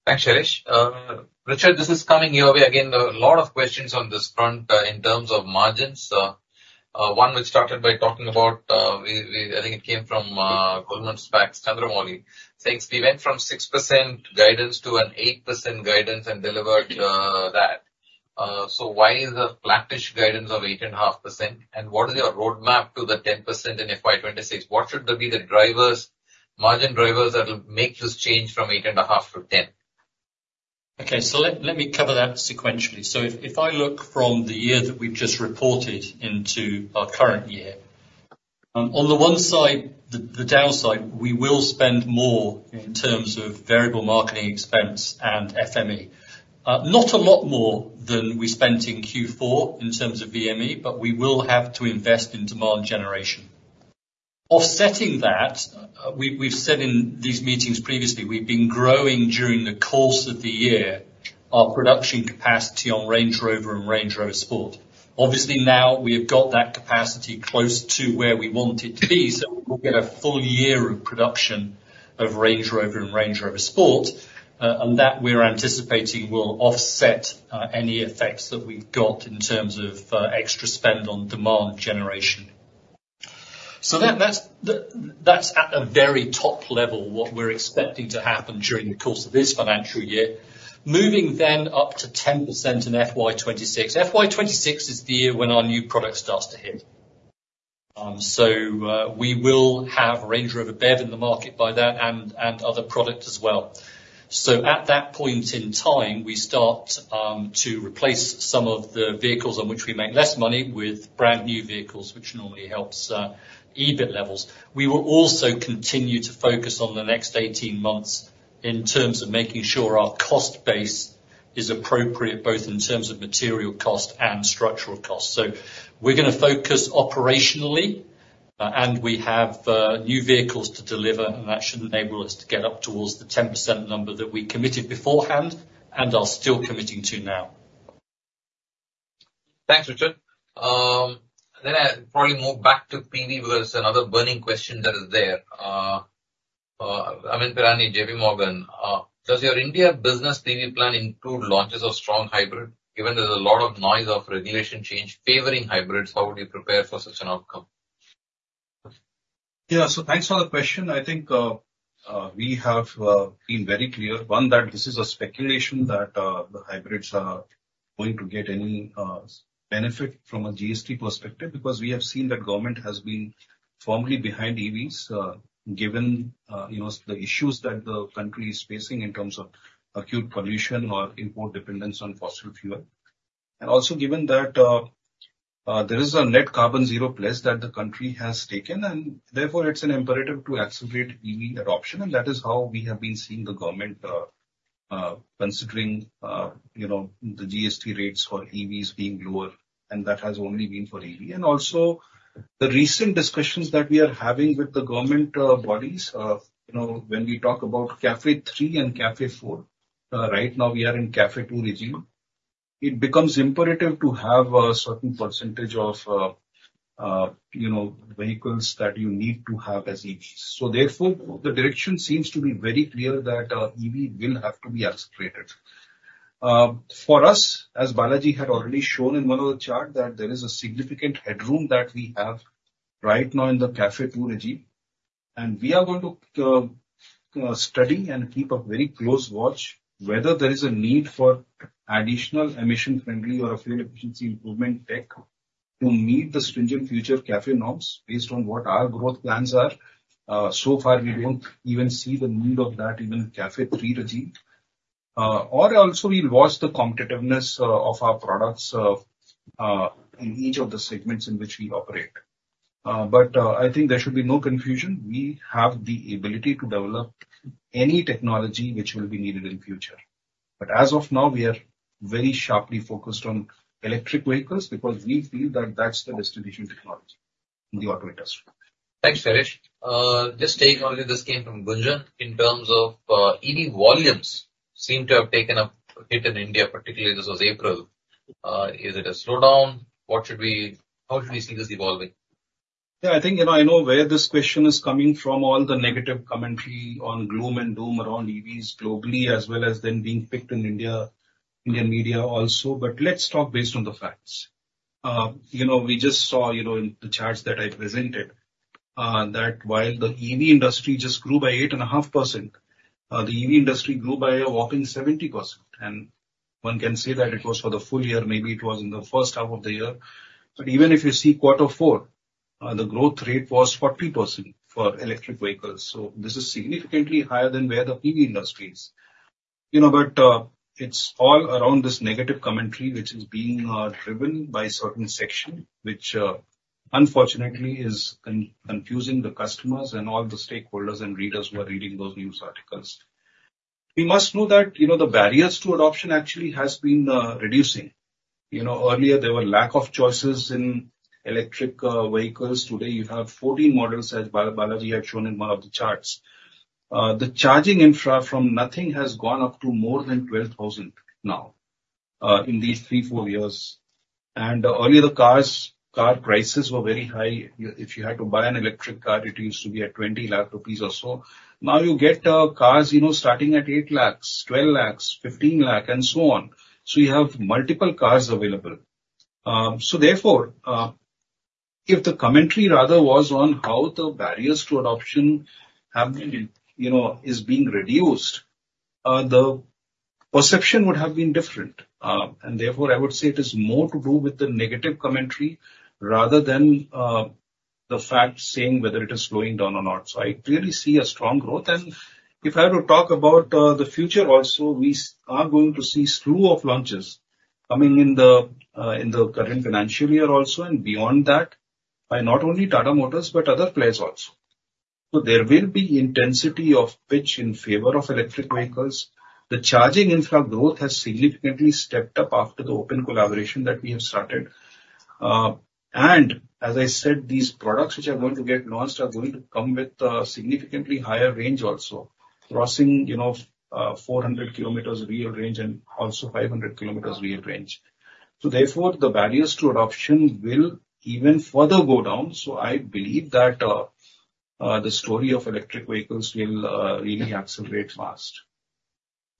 Speaker 2: Thanks, Shailesh. Richard, this is coming your way. Again, there are a lot of questions on this front, in terms of margins. One which started by talking about, we—I think it came from Goldman Sachs, Chandramouli. Thanks. We went from 6% guidance to an 8% guidance and delivered that. So why is a flattish guidance of 8.5%, and what is your roadmap to the 10% in FY 2026? What should be the drivers, margin drivers, that will make this change from 8.5% to 10%?
Speaker 3: Okay, so let me cover that sequentially. So if I look from the year that we've just reported into our current year. On the one side, the downside, we will spend more in terms of variable marketing expense and FME. Not a lot more than we spent in Q4 in terms of VME, but we will have to invest in demand generation. Offsetting that, we've said in these meetings previously, we've been growing during the course of the year, our production capacity on Range Rover and Range Rover Sport. Obviously, now we have got that capacity close to where we want it to be, so we'll get a full year of production of Range Rover and Range Rover Sport. And that we're anticipating will offset any effects that we've got in terms of extra spend on demand generation. So that's at a very top level, what we're expecting to happen during the course of this financial year. Moving then up to 10% in FY 2026. FY 2026 is the year when our new product starts to hit. So we will have Range Rover BEV in the market by then, and other product as well. So at that point in time, we start to replace some of the vehicles on which we make less money, with brand-new vehicles, which normally helps EBIT levels. We will also continue to focus on the next 18 months in terms of making sure our cost base is appropriate, both in terms of material cost and structural cost. We're gonna focus operationally, and we have new vehicles to deliver, and that should enable us to get up towards the 10% number that we committed beforehand, and are still committing to now.
Speaker 2: Thanks, Richard. Then I probably move back to PV, where there's another burning question that is there. Amyn Pirani, J.P. Morgan. Does your India business EV plan include launches of strong hybrid? Given there's a lot of noise of regulation change favoring hybrids, how would you prepare for such an outcome?
Speaker 5: Yeah. So thanks for the question. I think we have been very clear, one, that this is speculation that the hybrids are going to get any benefit from a GST perspective. Because we have seen that government has been firmly behind EVs, given you know the issues that the country is facing in terms of acute pollution or import dependence on fossil fuel. And also given that there is a net carbon zero pledge that the country has taken, and therefore it's an imperative to accelerate EV adoption, and that is how we have been seeing the government considering you know the GST rates for EVs being lower, and that has only been for EV. And also, the recent discussions that we are having with the government, bodies, you know, when we talk about CAFE 3 and CAFE 4, right now, we are in CAFE 2 regime. It becomes imperative to have a certain percentage of, you know, vehicles that you need to have as EVs. So therefore, the direction seems to be very clear that, EV will have to be accelerated. For us, as Balaji had already shown in one of the charts, that there is a significant headroom that we have right now in the CAFE 2 regime. And we are going to, study and keep a very close watch, whether there is a need for additional emission-friendly or fuel efficiency improvement tech, to meet the stringent future CAFE norms based on what our growth plans are. So far, we don't even see the need of that even in CAFE 3 regime. Or also we'll watch the competitiveness of our products in each of the segments in which we operate. But I think there should be no confusion, we have the ability to develop any technology which will be needed in future. But as of now, we are very sharply focused on electric vehicles, because we feel that that's the distribution technology in the auto industry.
Speaker 2: Thanks, Paresh. Just staying on, this came from Gunjan. In terms of, EV volumes seem to have taken a hit in India, particularly this was April. Is it a slowdown? What should we... How should we see this evolving?
Speaker 5: Yeah, I think, you know, I know where this question is coming from, all the negative commentary on gloom and doom around EVs globally, as well as then being picked in India, Indian media also. But let's talk based on the facts. You know, we just saw, you know, in the charts that I presented, that while the EV industry just grew by 8.5%, the EV industry grew by a whopping 70%. And one can say that it was for the full year, maybe it was in the first half of the year. But even if you see quarter four, the growth rate was 40% for electric vehicles. So this is significantly higher than where the EV industry is. You know, but, it's all around this negative commentary, which is being driven by a certain section, which, unfortunately, is confusing the customers and all the stakeholders and readers who are reading those news articles. We must know that, you know, the barriers to adoption actually has been reducing. You know, earlier, there were lack of choices in electric vehicles. Today, you have 14 models, as Balaji had shown in one of the charts. The charging infra from nothing, has gone up to more than 12,000 now, in these 3-4 years. And earlier, the cars, car prices were very high. If you had to buy an electric car, it used to be at 20 lakh rupees or so. Now you get, cars, you know, starting at 8 lakh, 12 lakh, 15 lakh, and so on. So you have multiple cars available. So therefore, if the commentary rather was on how the barriers to adoption have been, you know, is being reduced, the perception would have been different. And therefore, I would say it is more to do with the negative commentary rather than the fact saying whether it is slowing down or not. So I clearly see a strong growth, and if I were to talk about the future also, we are going to see slew of launches....
Speaker 4: coming in the, in the current financial year also and beyond that, by not only Tata Motors, but other players also. So there will be intensity of pitch in favor of electric vehicles. The charging infra growth has significantly stepped up after the open collaboration that we have started. And as I said, these products which are going to get launched are going to come with, significantly higher range also, crossing, you know, 400 kilometers real range and also 500 kilometers real range. So therefore, the barriers to adoption will even further go down. So I believe that, the story of electric vehicles will, really accelerate fast.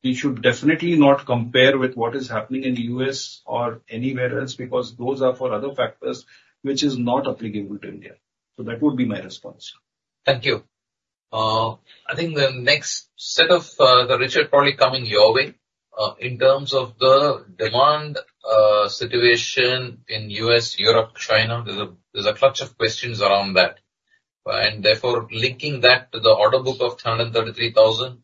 Speaker 4: We should definitely not compare with what is happening in the U.S. or anywhere else, because those are for other factors which is not applicable to India. So that would be my response.
Speaker 2: Thank you. I think the next set of, to Richard, probably coming your way. In terms of the demand situation in U.S., Europe, China, there's a clutch of questions around that. And therefore linking that to the order book of 333,000,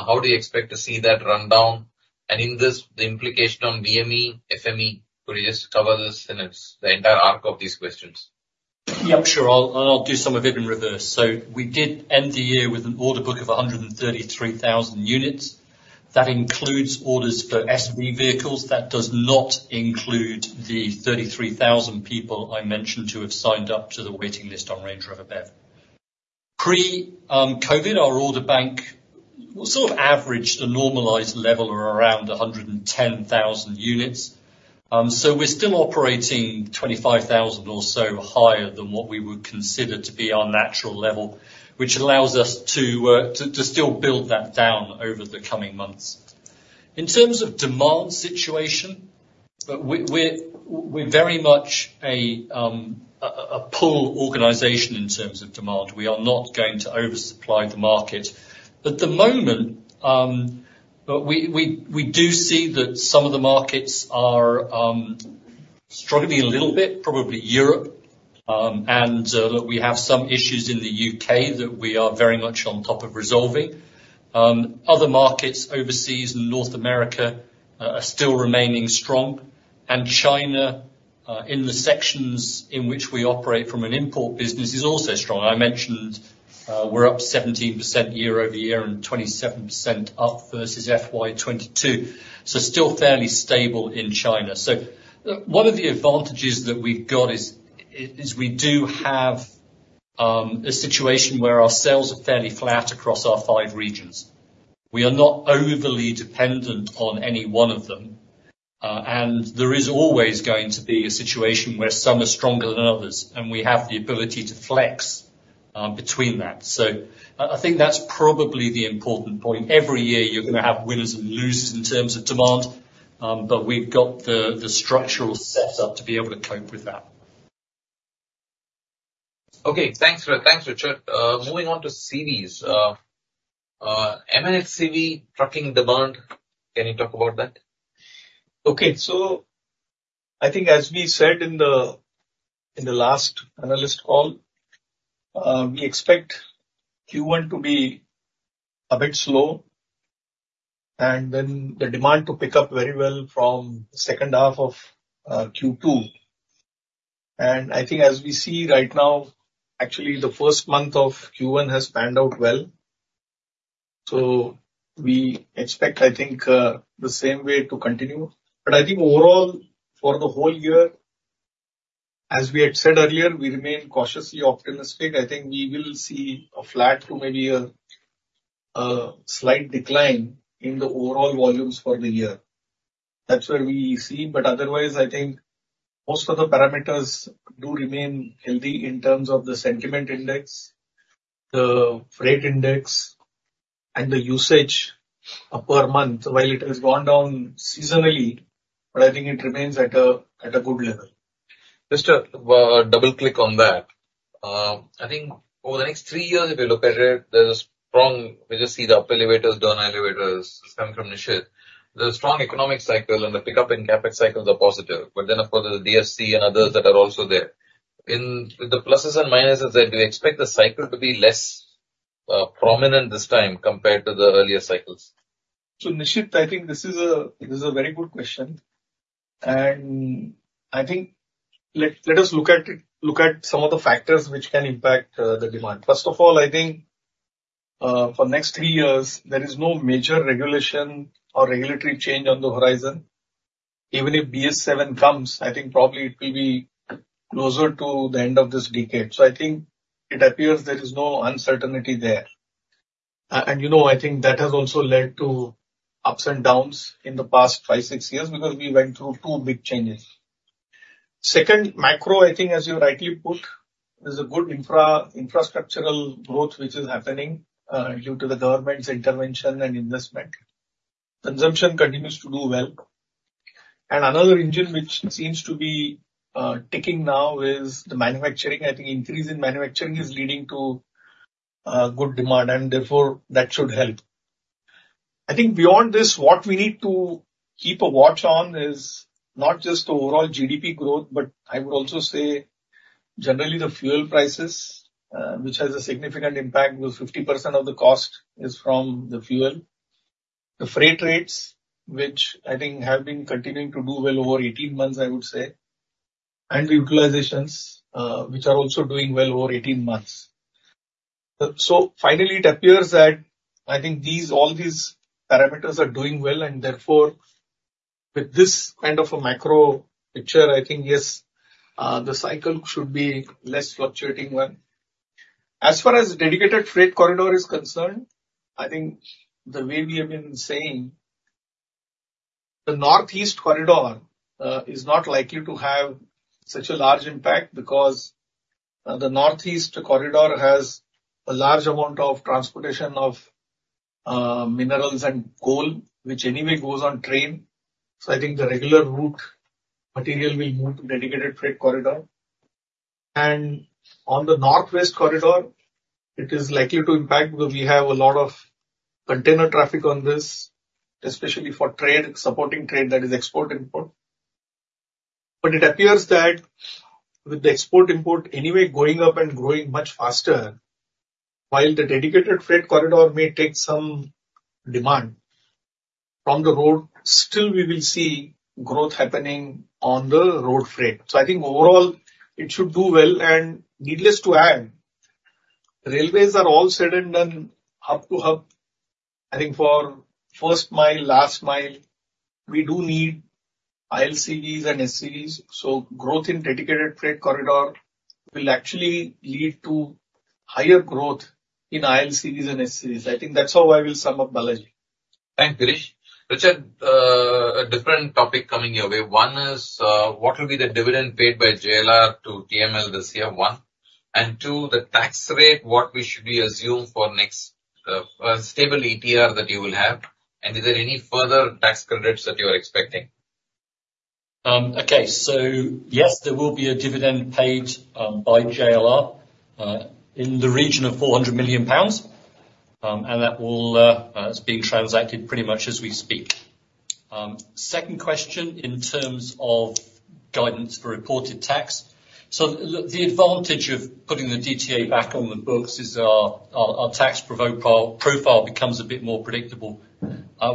Speaker 2: how do you expect to see that run down? And in this, the implication on VME, FME, could you just cover this, and it's the entire arc of these questions.
Speaker 3: Yeah, sure. I'll and I'll do some of it in reverse. So we did end the year with an order book of 133,000 units. That includes orders for SV vehicles. That does not include the 33,000 people I mentioned, who have signed up to the waiting list on Range Rover BEV. Pre-COVID, our order book sort of averaged a normalized level of around 110,000 units. So we're still operating 25,000 or so higher than what we would consider to be our natural level, which allows us to to still build that down over the coming months. In terms of demand situation, we're very much a pull organization in terms of demand. We are not going to oversupply the market. At the moment, we do see that some of the markets are struggling a little bit, probably Europe, and we have some issues in the UK that we are very much on top of resolving. Other markets overseas, North America, are still remaining strong. And China, in the sections in which we operate from an import business, is also strong. I mentioned, we're up 17% year-over-year and 27% up versus FY 2022, so still fairly stable in China. So one of the advantages that we've got is we do have a situation where our sales are fairly flat across our five regions. We are not overly dependent on any one of them, and there is always going to be a situation where some are stronger than others, and we have the ability to flex between that. So I, I think that's probably the important point. Every year, you're gonna have winners and losers in terms of demand, but we've got the structural setup to be able to cope with that.
Speaker 2: Okay, thanks, Richard. Moving on to CVs. M&HCV trucking demand, can you talk about that?
Speaker 4: Okay. So I think as we said in the last analyst call, we expect Q1 to be a bit slow, and then the demand to pick up very well from second half of Q2. And I think as we see right now, actually, the first month of Q1 has panned out well. So we expect, I think, the same way to continue. But I think overall, for the whole year, as we had said earlier, we remain cautiously optimistic. I think we will see a flat to maybe a slight decline in the overall volumes for the year. That's where we see, but otherwise, I think most of the parameters do remain healthy in terms of the sentiment index, the freight index, and the usage per month, while it has gone down seasonally, but I think it remains at a good level.
Speaker 2: Just double-click on that. I think over the next three years, if you look at it, there's a strong... We just see the up elevators, down elevators come from Nishit. There's a strong economic cycle, and the pickup in CapEx cycles are positive, but then, of course, there's DFC and others that are also there. In the pluses and minuses, I do expect the cycle to be less prominent this time compared to the earlier cycles.
Speaker 4: So, Nishit, I think this is a very good question, and I think let us look at it, some of the factors which can impact the demand. First of all, I think for next three years, there is no major regulation or regulatory change on the horizon. Even if BS7 comes, I think probably it will be closer to the end of this decade. So I think it appears there is no uncertainty there. And, you know, I think that has also led to ups and downs in the past five, six years, because we went through two big changes. Second, macro, I think, as you rightly put, there's a good infrastructural growth which is happening due to the government's intervention and investment. Consumption continues to do well. And another engine which seems to be ticking now is the manufacturing. I think increase in manufacturing is leading to good demand, and therefore, that should help. I think beyond this, what we need to keep a watch on is not just the overall GDP growth, but I would also say generally, the fuel prices, which has a significant impact, because 50% of the cost is from the fuel. The freight rates, which I think have been continuing to do well over 18 months, I would say, and the utilizations, which are also doing well over 18 months. So finally, it appears that I think all these parameters are doing well, and therefore, with this kind of a macro picture, I think, yes, the cycle should be less fluctuating one. As far as Dedicated Freight Corridor is concerned, I think the way we have been saying, the Northeast Corridor is not likely to have such a large impact, because the Northeast Corridor has a large amount of transportation of minerals and coal, which anyway goes on train. So I think the regular route material will move to Dedicated Freight Corridor. And on the Northwest Corridor, it is likely to impact, because we have a lot of container traffic on this, especially for trade, supporting trade, that is, export, import. But it appears that with the export-import anyway going up and growing much faster, while the Dedicated Freight Corridor may take some demand from the road, still we will see growth happening on the road freight. So I think overall, it should do well, and needless to add, railways are all said and done, hub to hub. I think for first mile, last mile, we do need ILCVs and SCVs, so growth in dedicated freight corridor will actually lead to higher growth in ILCVs and SCVs. I think that's how I will sum up, Balaji.
Speaker 2: Thanks, Girish. Richard, a different topic coming your way. One is, what will be the dividend paid by JLR to TML this year, one, and two, the tax rate, what we should be assumed for next, stable ATR that you will have, and is there any further tax credits that you are expecting?
Speaker 3: Okay. So, yes, there will be a dividend paid by JLR in the region of 400 million pounds, and that will, it's being transacted pretty much as we speak. Second question, in terms of guidance for reported tax. So look, the advantage of putting the DTA back on the books is our tax profile becomes a bit more predictable.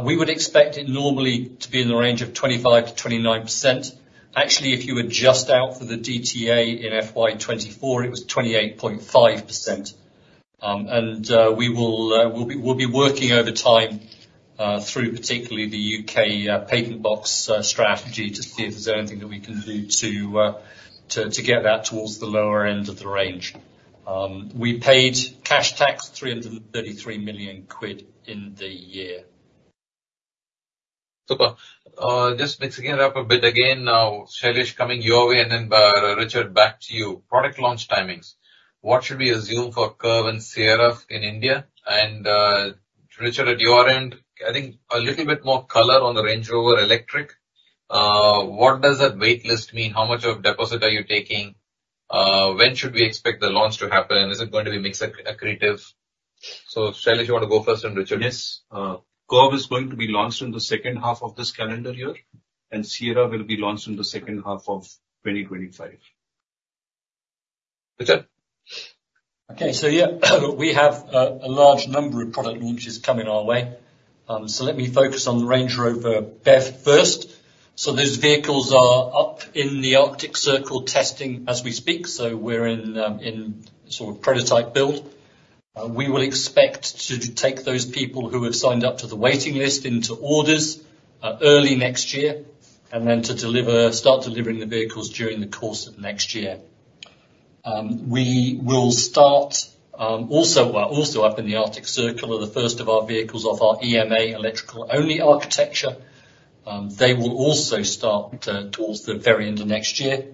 Speaker 3: We would expect it normally to be in the range of 25%-29%. Actually, if you adjust out for the DTA in FY 2024, it was 28.5%. And we will, we'll be working over time through particularly the UK Payment Box strategy to see if there's anything that we can do to get that towards the lower end of the range. We paid cash tax, 333 million quid in the year.
Speaker 2: Super. Just mixing it up a bit again now, Shailesh, coming your way, and then, Richard, back to you. Product launch timings, what should we assume for Curvv and Sierra in India? And, Richard, at your end, I think a little bit more color on the Range Rover Electric. What does that wait list mean? How much of deposit are you taking? When should we expect the launch to happen, and is it going to be mix accretive? So, Shailesh, you want to go first, then Richard.
Speaker 4: Yes. Curvv is going to be launched in the second half of this calendar year, and Sierra will be launched in the second half of 2025.
Speaker 2: Richard?
Speaker 3: Okay, so yeah, we have a large number of product launches coming our way. So let me focus on the Range Rover BEV first. Those vehicles are up in the Arctic Circle testing as we speak, so we're in sort of prototype build. We will expect to take those people who have signed up to the waiting list into orders early next year, and then to start delivering the vehicles during the course of next year. Also up in the Arctic Circle are the first of our vehicles off our EMA, electrical only architecture. They will also start towards the very end of next year.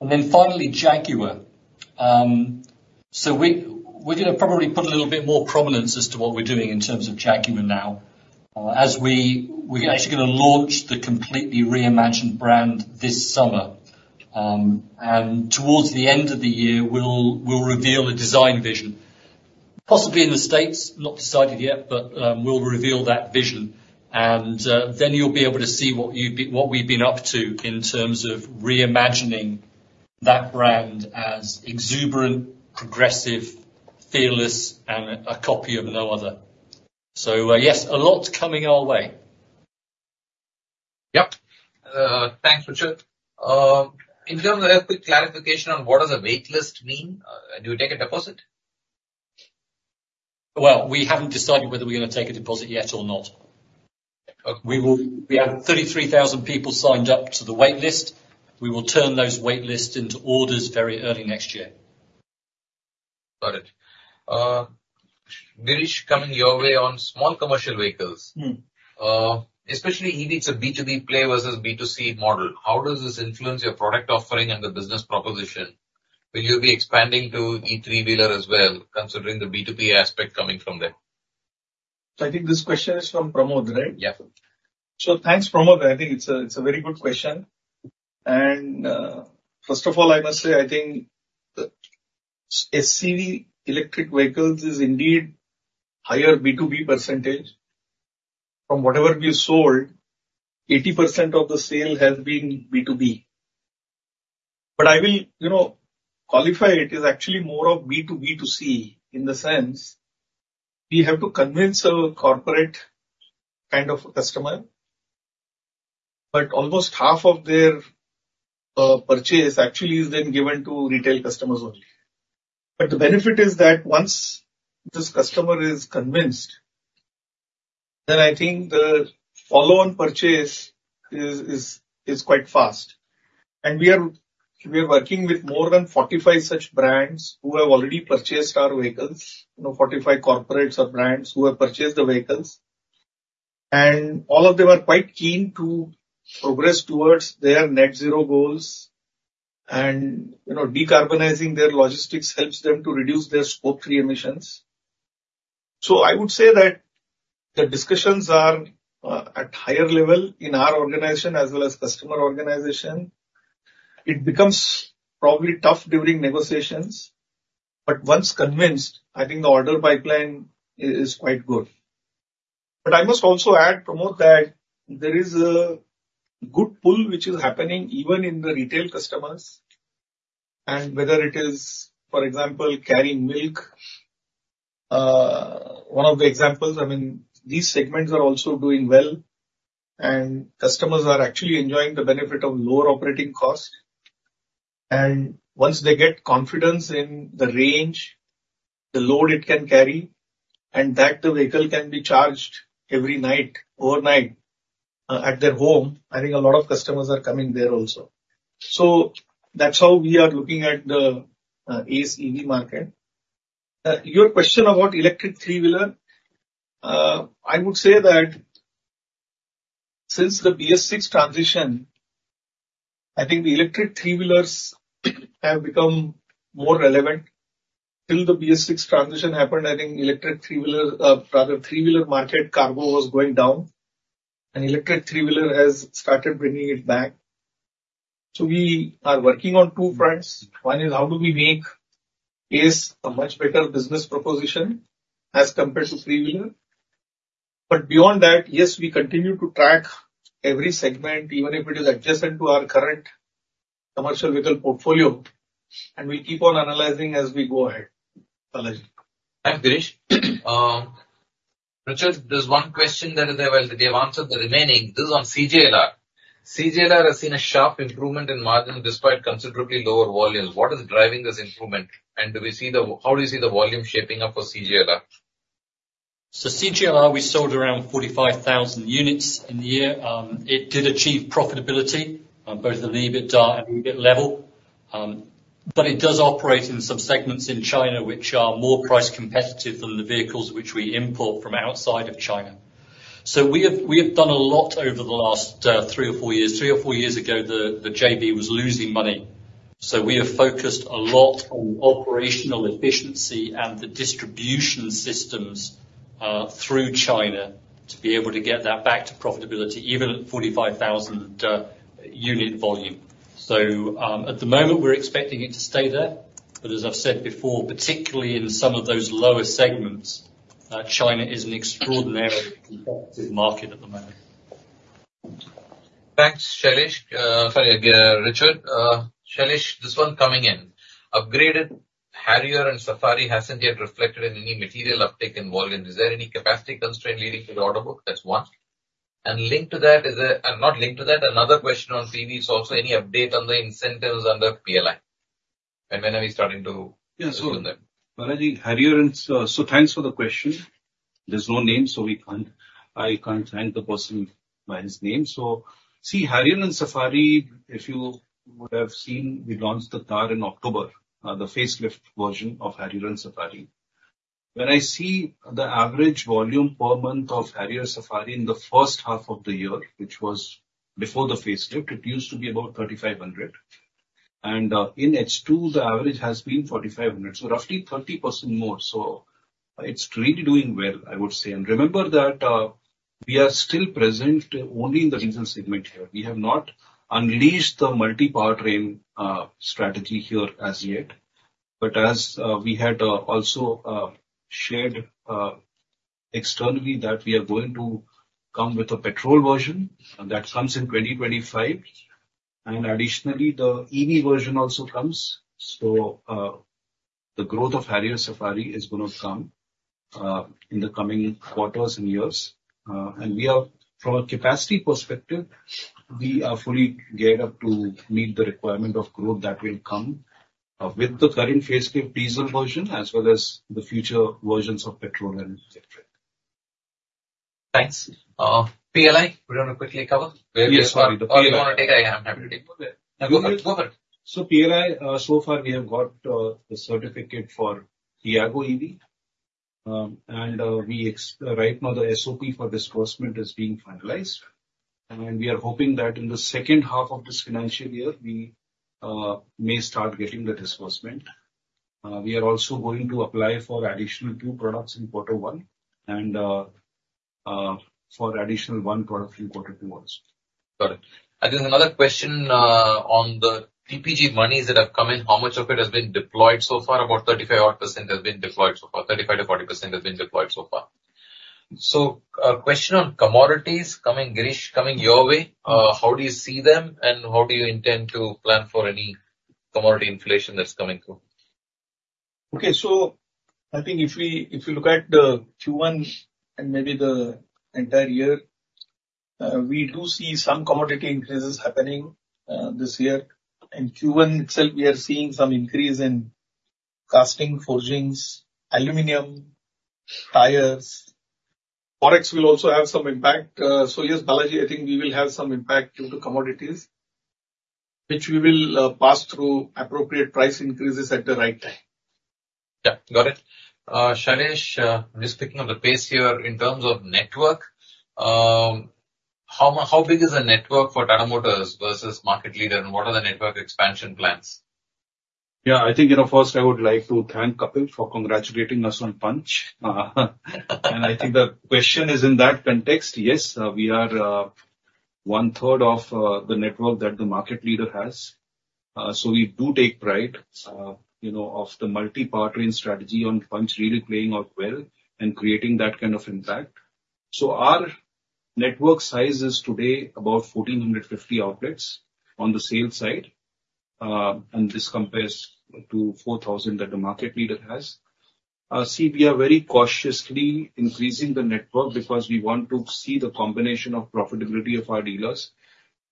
Speaker 3: And then finally, Jaguar. So we're gonna probably put a little bit more prominence as to what we're doing in terms of Jaguar now. As we're actually gonna launch the completely reimagined brand this summer. And towards the end of the year, we'll reveal a design vision, possibly in the States, not decided yet, but we'll reveal that vision, and then you'll be able to see what you've been-- what we've been up to in terms of reimagining that brand as exuberant, progressive, fearless, and a copy of no other. So, yes, a lot coming our way.
Speaker 2: Yep. Thanks, Richard. In terms of a quick clarification on what does a wait list mean, and you take a deposit?
Speaker 3: Well, we haven't decided whether we're gonna take a deposit yet or not. We will... We have 33,000 people signed up to the wait list. We will turn those wait lists into orders very early next year.
Speaker 2: Got it. Girish, coming your way on small commercial vehicles.
Speaker 4: Mm.
Speaker 2: Especially, he needs a B2B play versus B2C model. How does this influence your product offering and the business proposition? Will you be expanding to e-3-wheeler as well, considering the B2B aspect coming from there?
Speaker 4: I think this question is from Pramod, right?
Speaker 2: Yeah.
Speaker 4: So thanks, Pramod. I think it's a, it's a very good question. First of all, I must say, I think Ace EV electric vehicles is indeed higher B2B percentage. From whatever we sold, 80% of the sale has been B2B. But I will, you know, qualify it, is actually more of B2B2C, in the sense we have to convince a corporate kind of customer, but almost half of their purchase actually is then given to retail customers only. But the benefit is that once this customer is convinced, then I think the follow-on purchase is quite fast. We are working with more than 45 such brands who have already purchased our vehicles, you know, 45 corporates or brands who have purchased the vehicles. All of them are quite keen to progress towards their net zero goals, and, you know, decarbonizing their logistics helps them to reduce their scope three emissions. So I would say that the discussions are at higher level in our organization as well as customer organization. It becomes probably tough during negotiations, but once convinced, I think the order pipeline is quite good. But I must also add, Pramod, that there is a good pull which is happening even in the retail customers, and whether it is, for example, carrying milk, one of the examples, I mean, these segments are also doing well, and customers are actually enjoying the benefit of lower operating cost. Once they get confidence in the range, the load it can carry, and that the vehicle can be charged every night, overnight, at their home, I think a lot of customers are coming there also. So that's how we are looking at the Ace EV market. Your question about electric three-wheeler, I would say that since the BS6 transition, I think the electric three-wheeler has become more relevant. Till the BS6 transition happened, I think electric three-wheeler, rather three-wheeler market cargo was going down, and electric three-wheeler has started bringing it back. So we are working on two fronts. One is how do we make Ace EV a much better business proposition as compared to three-wheeler? But beyond that, yes, we continue to track every segment, even if it is adjacent to our current commercial vehicle portfolio, and we keep on analyzing as we go ahead. Balaji.
Speaker 2: Thanks, Girish. Richard, there's one question that... they've answered the remaining. This is on CJLR. CJLR has seen a sharp improvement in margin despite considerably lower volumes. What is driving this improvement, and do we see the-- how do you see the volume shaping up for CJLR?
Speaker 3: So CJLR, we sold around 45,000 units in the year. It did achieve profitability on both the EBITDA and EBIT level. But it does operate in some segments in China, which are more price competitive than the vehicles which we import from outside of China. So we have, we have done a lot over the last three or four years. Three or four years ago, the JV was losing money, so we have focused a lot on operational efficiency and the distribution systems through China, to be able to get that back to profitability, even at 45,000 unit volume. So, at the moment, we're expecting it to stay there, but as I've said before, particularly in some of those lower segments, China is an extraordinarily competitive market at the moment.
Speaker 2: Thanks, Shailesh. Sorry, Richard. Shailesh, this one coming in. Upgraded Harrier and Safari hasn't yet reflected in any material uptick in volume. Is there any capacity constraint leading to the order book? That's one. And linked to that, is there... Not linked to that, another question on CVs also, any update on the incentives under PLI, and when are we starting to-
Speaker 4: Yeah, so-
Speaker 2: Do that.
Speaker 4: Balaji, Harrier and... So thanks for the question. There's no name, so we can't—I can't thank the person by his name. So see, Harrier and Safari, if you would have seen, we launched the car in October, the facelift version of Harrier and Safari. When I see the average volume per month of Harrier Safari in the first half of the year, which was before the facelift, it used to be about 3,500, and in H2, the average has been 4,500, so roughly 30% more. So it's really doing well, I would say. And remember that, we are still present only in the regional segment here. We have not unleashed the multi-powertrain strategy here as yet. But as we had also shared externally, that we are going to come with a petrol version, and that comes in 2025. And additionally, the EV version also comes. So, the growth of Harrier Safari is gonna come in the coming quarters and years. And we are, from a capacity perspective, we are fully geared up to meet the requirement of growth that will come with the current facelift diesel version, as well as the future versions of petrol and electric.
Speaker 2: Thanks. PLI, we want to quickly cover?
Speaker 4: Yes, sorry, the PLI.
Speaker 2: Or you want to take a... I'm happy to take. Go ahead, go ahead.
Speaker 4: So PLI, so far, we have got the certificate for Tiago.ev. And we expect right now, the SOP for disbursement is being finalized, and we are hoping that in the second half of this financial year, we may start getting the disbursement. We are also going to apply for additional two products in quarter one, and for additional one product in quarter two months.
Speaker 2: Got it. I think another question on the TPG monies that have come in, how much of it has been deployed so far? About 35-odd% has been deployed so far. 35%-40% has been deployed so far. So a question on commodities coming, Girish, coming your way. How do you see them, and how do you intend to plan for any commodity inflation that's coming through?
Speaker 4: Okay. So I think if we, if you look at the Q1 and maybe the entire year, we do see some commodity increases happening, this year. In Q1 itself, we are seeing some increase in casting, forgings, aluminum, tires. Forex will also have some impact. So yes, Balaji, I think we will have some impact due to commodities, which we will pass through appropriate price increases at the right time.
Speaker 2: Yeah, got it. Shailesh, just picking up the pace here, in terms of network, how big is the network for Tata Motors versus market leader, and what are the network expansion plans?
Speaker 5: Yeah, I think, you know, first I would like to thank Kapil for congratulating us on Punch. And I think the question is in that context, yes, we are one third of the network that the market leader has. So we do take pride, you know, of the multi-partnering strategy on Punch really playing out well and creating that kind of impact. So our network size is today about 1,450 outlets on the sales side, and this compares to 4,000 that the market leader has. See, we are very cautiously increasing the network because we want to see the combination of profitability of our dealers,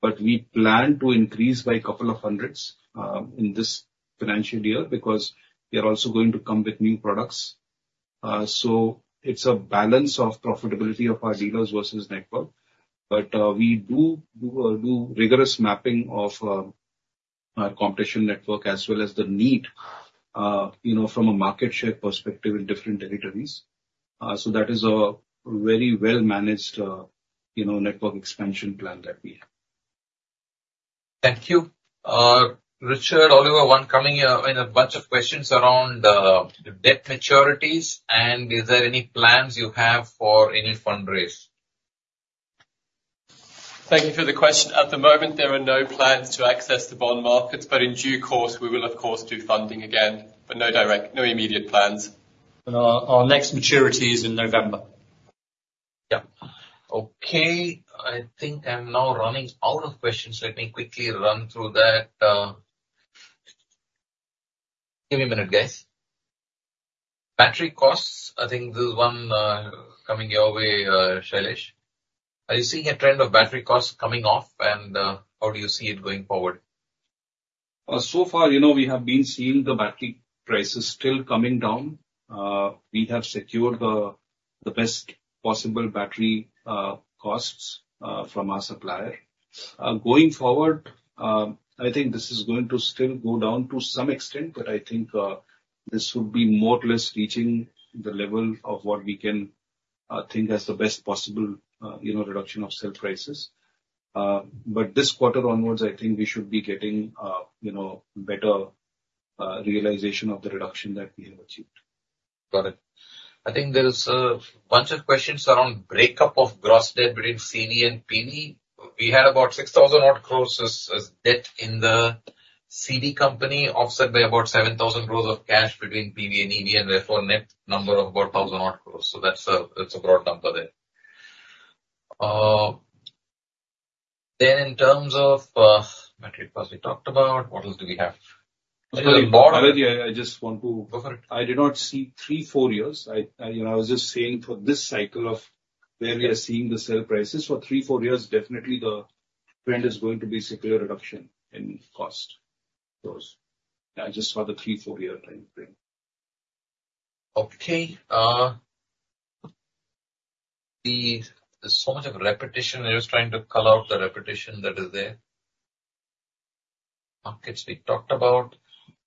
Speaker 5: but we plan to increase by a couple of hundreds in this financial year, because we are also going to come with new products. It's a balance of profitability of our dealers versus network. But we do rigorous mapping of our competition network as well as the need, you know, from a market share perspective in different territories. So that is a very well-managed, you know, network expansion plan that we have.
Speaker 2: Thank you. Richard, Oliver, one coming in in a bunch of questions around the debt maturities, and is there any plans you have for any fundraise?
Speaker 6: Thank you for the question. At the moment, there are no plans to access the bond markets, but in due course, we will, of course, do funding again, but no direct, no immediate plans.
Speaker 3: Our next maturity is in November.
Speaker 2: Yeah. Okay, I think I'm now running out of questions, so let me quickly run through that. Give me a minute, guys. Battery costs, I think this is one coming your way, Shailesh. Are you seeing a trend of battery costs coming off, and how do you see it going forward?
Speaker 5: So far, you know, we have been seeing the battery prices still coming down. We have secured the best possible battery costs from our supplier. Going forward, I think this is going to still go down to some extent, but I think this would be more or less reaching the level of what we can think as the best possible, you know, reduction of sale prices. But this quarter onwards, I think we should be getting, you know, better realization of the reduction that we have achieved.
Speaker 2: Got it. I think there is a bunch of questions around breakup of gross debt between CD and PD. We had about 6,000-odd crores as debt in the CD company, offset by about 7,000 crores of cash between PD and ED, and therefore, net number of about 1,000-odd crores. So that's a broad number there. Then in terms of metric plus we talked about, what else do we have?
Speaker 5: Balaji, I just want to-
Speaker 2: Go for it.
Speaker 5: I did not see 3-4 years. You know, I was just saying for this cycle of where we are seeing the sale prices, for 3-4 years, definitely the trend is going to be secular reduction in cost. I just said the 3-4-year time frame.
Speaker 2: Okay, there's so much of repetition. I was trying to color out the repetition that is there. Markets we talked about.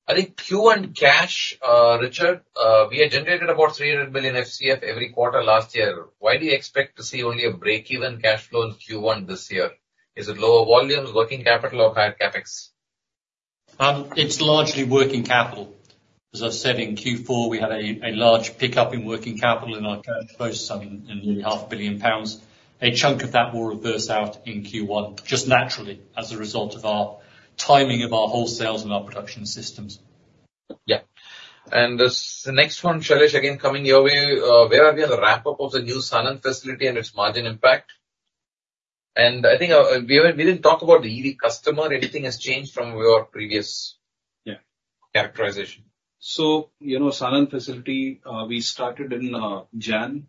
Speaker 2: I think Q1 cash, Richard, we had generated about 300 billion FCF every quarter last year. Why do you expect to see only a break-even cash flow in Q1 this year? Is it lower volumes, working capital or higher CapEx?
Speaker 3: It's largely working capital. As I've said, in Q4, we had a large pickup in working capital in our current process, in nearly 500 million pounds. A chunk of that will reverse out in Q1, just naturally, as a result of our timing of our wholesales and our production systems.
Speaker 2: Yeah. And as the next one, Shailesh, again, coming your way, where are we at the ramp-up of the new Sanand facility and its margin impact? And I think, we didn't talk about the EV customer. Anything has changed from your previous-
Speaker 5: Yeah.
Speaker 2: Characterization?
Speaker 5: So, you know, Sanand facility, we started in January.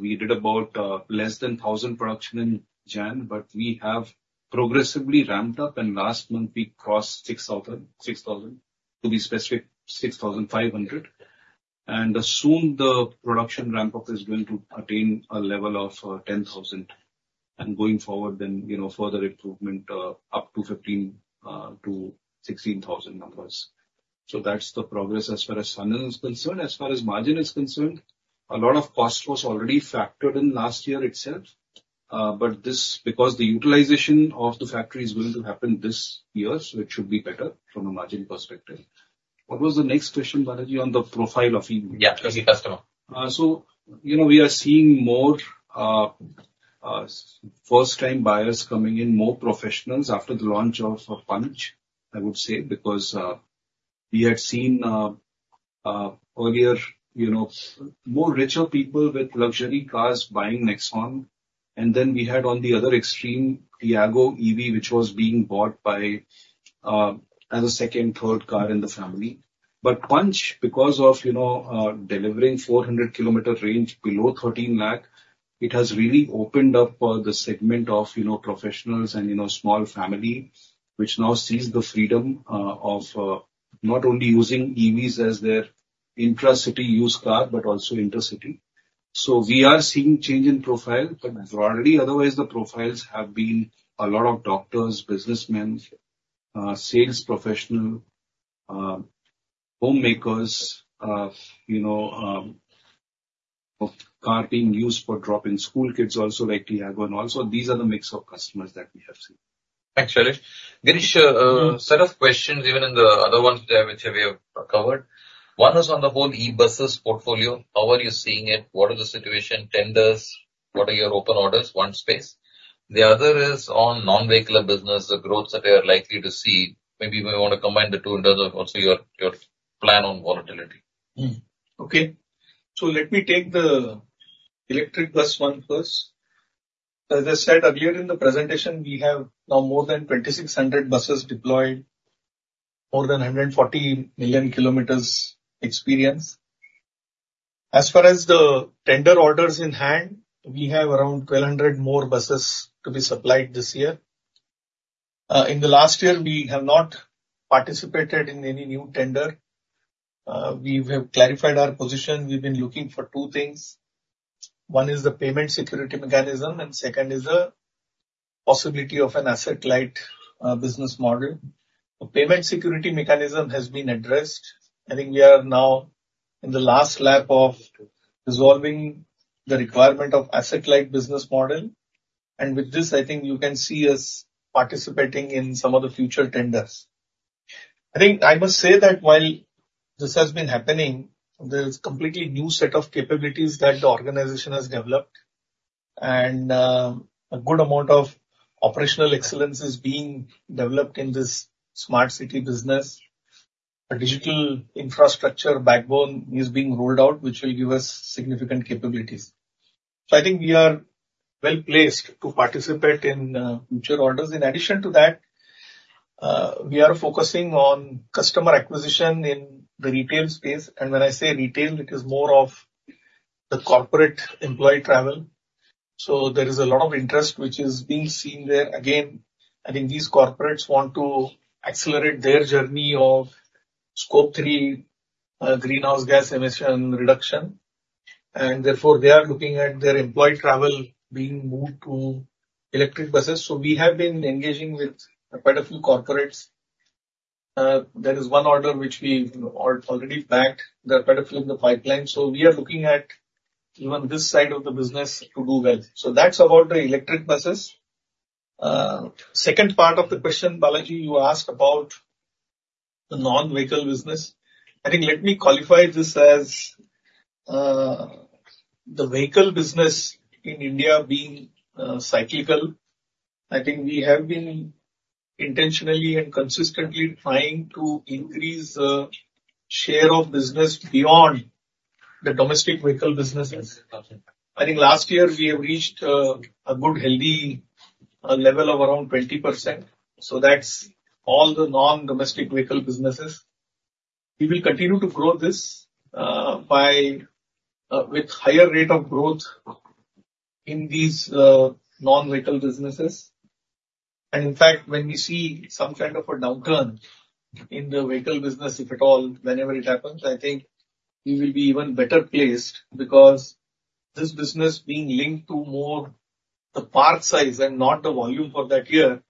Speaker 5: We did about less than 1,000 production in January, but we have progressively ramped up, and last month we crossed 6,000, 6,000, to be specific, 6,500. And soon, the production ramp-up is going to attain a level of 10,000. And going forward, then, you know, further improvement up to 15,000 to 16,000 numbers. So that's the progress as far as Sanand is concerned. As far as margin is concerned, a lot of cost was already factored in last year itself... But this, because the utilization of the factory is going to happen this year, so it should be better from a margin perspective. What was the next question, Balaji, on the profile of EV?
Speaker 2: Yeah, EV customer.
Speaker 5: So, you know, we are seeing more first-time buyers coming in, more professionals after the launch of Punch, I would say, because we had seen earlier, you know, more richer people with luxury cars buying Nexon. And then we had on the other extreme, Tiago EV, which was being bought by as a second, third car in the family. But Punch, because of, you know, delivering 400-kilometer range below 13 lakh, it has really opened up the segment of, you know, professionals and, you know, small family, which now sees the freedom of not only using EVs as their intracity use car, but also intercity. So we are seeing change in profile, but majority, otherwise, the profiles have been a lot of doctors, businessmen, sales professional, homemakers, you know, of car being used for dropping school kids also, like Tiago and also these are the mix of customers that we have seen.
Speaker 2: Thanks, Shailesh. Girish,
Speaker 4: Mm.
Speaker 2: Set of questions, even in the other ones there, which we have covered. One is on the whole e-buses portfolio. How are you seeing it? What is the situation, tenders, what are your open orders? One space. The other is on non-vehicle business, the growth that they are likely to see. Maybe we want to combine the two in terms of also your, your plan on volatility.
Speaker 4: Mm-hmm. Okay. So let me take the electric bus one first. As I said earlier in the presentation, we have now more than 2,600 buses deployed, more than 140 million kilometers experience. As far as the tender orders in hand, we have around 1,200 more buses to be supplied this year. In the last year, we have not participated in any new tender. We have clarified our position. We've been looking for two things. One is the payment security mechanism, and second is the possibility of an asset-light business model. The payment security mechanism has been addressed. I think we are now in the last lap of resolving the requirement of asset-light business model, and with this, I think you can see us participating in some of the future tenders. I think I must say that while this has been happening, there's completely new set of capabilities that the organization has developed, and a good amount of operational excellence is being developed in this smart city business. A digital infrastructure backbone is being rolled out, which will give us significant capabilities. So I think we are well placed to participate in future orders. In addition to that, we are focusing on customer acquisition in the retail space, and when I say retail, it is more of the corporate employee travel. So there is a lot of interest, which is being seen there. Again, I think these corporates want to accelerate their journey of Scope 3 greenhouse gas emission reduction, and therefore, they are looking at their employee travel being moved to electric buses. So we have been engaging with quite a few corporates. There is one order which we already bagged. There are quite a few in the pipeline, so we are looking at even this side of the business to do well. So that's about the electric buses. Second part of the question, Balaji, you asked about the non-vehicle business. I think let me qualify this as, the vehicle business in India being, cyclical. I think we have been intentionally and consistently trying to increase, share of business beyond the domestic vehicle businesses.
Speaker 2: Got you.
Speaker 4: I think last year we have reached a good, healthy level of around 20%, so that's all the non-domestic vehicle businesses. We will continue to grow this by with higher rate of growth in these non-vehicle businesses. And in fact, when we see some kind of a downturn in the vehicle business, if at all, whenever it happens, I think we will be even better placed, because this business being linked to more the part size and not the volume for that year,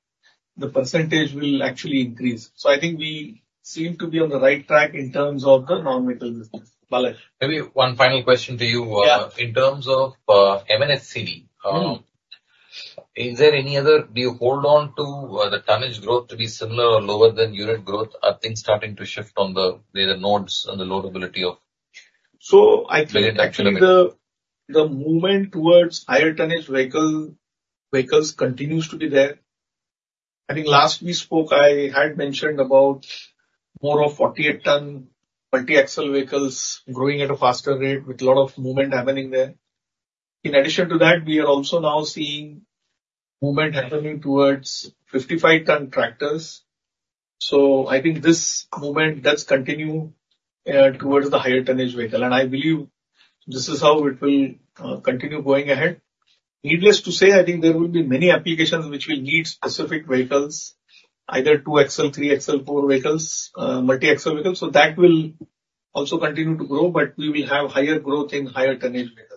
Speaker 4: the percentage will actually increase. So I think we seem to be on the right track in terms of the non-vehicle business, Balaji.
Speaker 2: Maybe one final question to you.
Speaker 4: Yeah.
Speaker 2: In terms of.
Speaker 4: Mm.
Speaker 2: Is there any other... Do you hold on to, the tonnage growth to be similar or lower than unit growth? Are things starting to shift on the, the nodes and the loadability of-
Speaker 4: I think-
Speaker 2: -actually the-
Speaker 4: The movement towards higher tonnage vehicle, vehicles continues to be there. I think last we spoke, I had mentioned about more of 48-ton multi-axle vehicles growing at a faster rate with a lot of movement happening there. In addition to that, we are also now seeing movement happening towards 55-ton tractors. So I think this movement does continue, towards the higher tonnage vehicle, and I believe this is how it will, continue going ahead. Needless to say, I think there will be many applications which will need specific vehicles, either two-axle, three-axle, four-axle vehicles, multi-axle vehicles, so that will also continue to grow, but we will have higher growth in higher tonnage vehicles.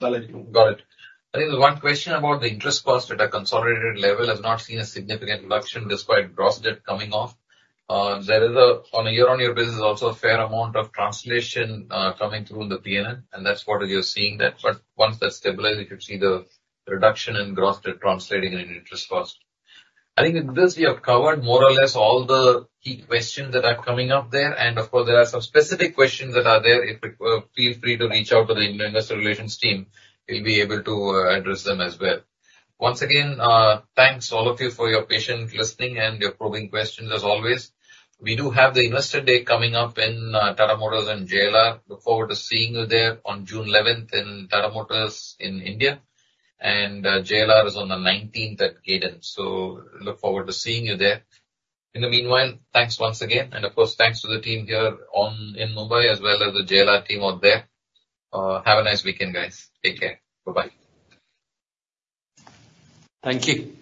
Speaker 4: Balaji.
Speaker 2: Got it. I think one question about the interest cost at a consolidated level has not seen a significant reduction, despite gross debt coming off. There is, on a year-on-year basis, also a fair amount of translation coming through the PNL, and that's what you're seeing that. But once that's stabilized, you could see the reduction in gross debt translating into interest cost. I think with this, we have covered more or less all the key questions that are coming up there, and of course, there are some specific questions that are there. If you feel free to reach out to the investor relations team, we'll be able to address them as well. Once again, thanks all of you for your patient listening and your probing questions as always. We do have the Investor Day coming up in Tata Motors and JLR. Look forward to seeing you there on June eleventh in Tata Motors in India, and JLR is on the nineteenth at Gaydon. So look forward to seeing you there. In the meanwhile, thanks once again, and of course, thanks to the team here in Mumbai, as well as the JLR team out there. Have a nice weekend, guys. Take care. Bye-bye.
Speaker 5: Thank you.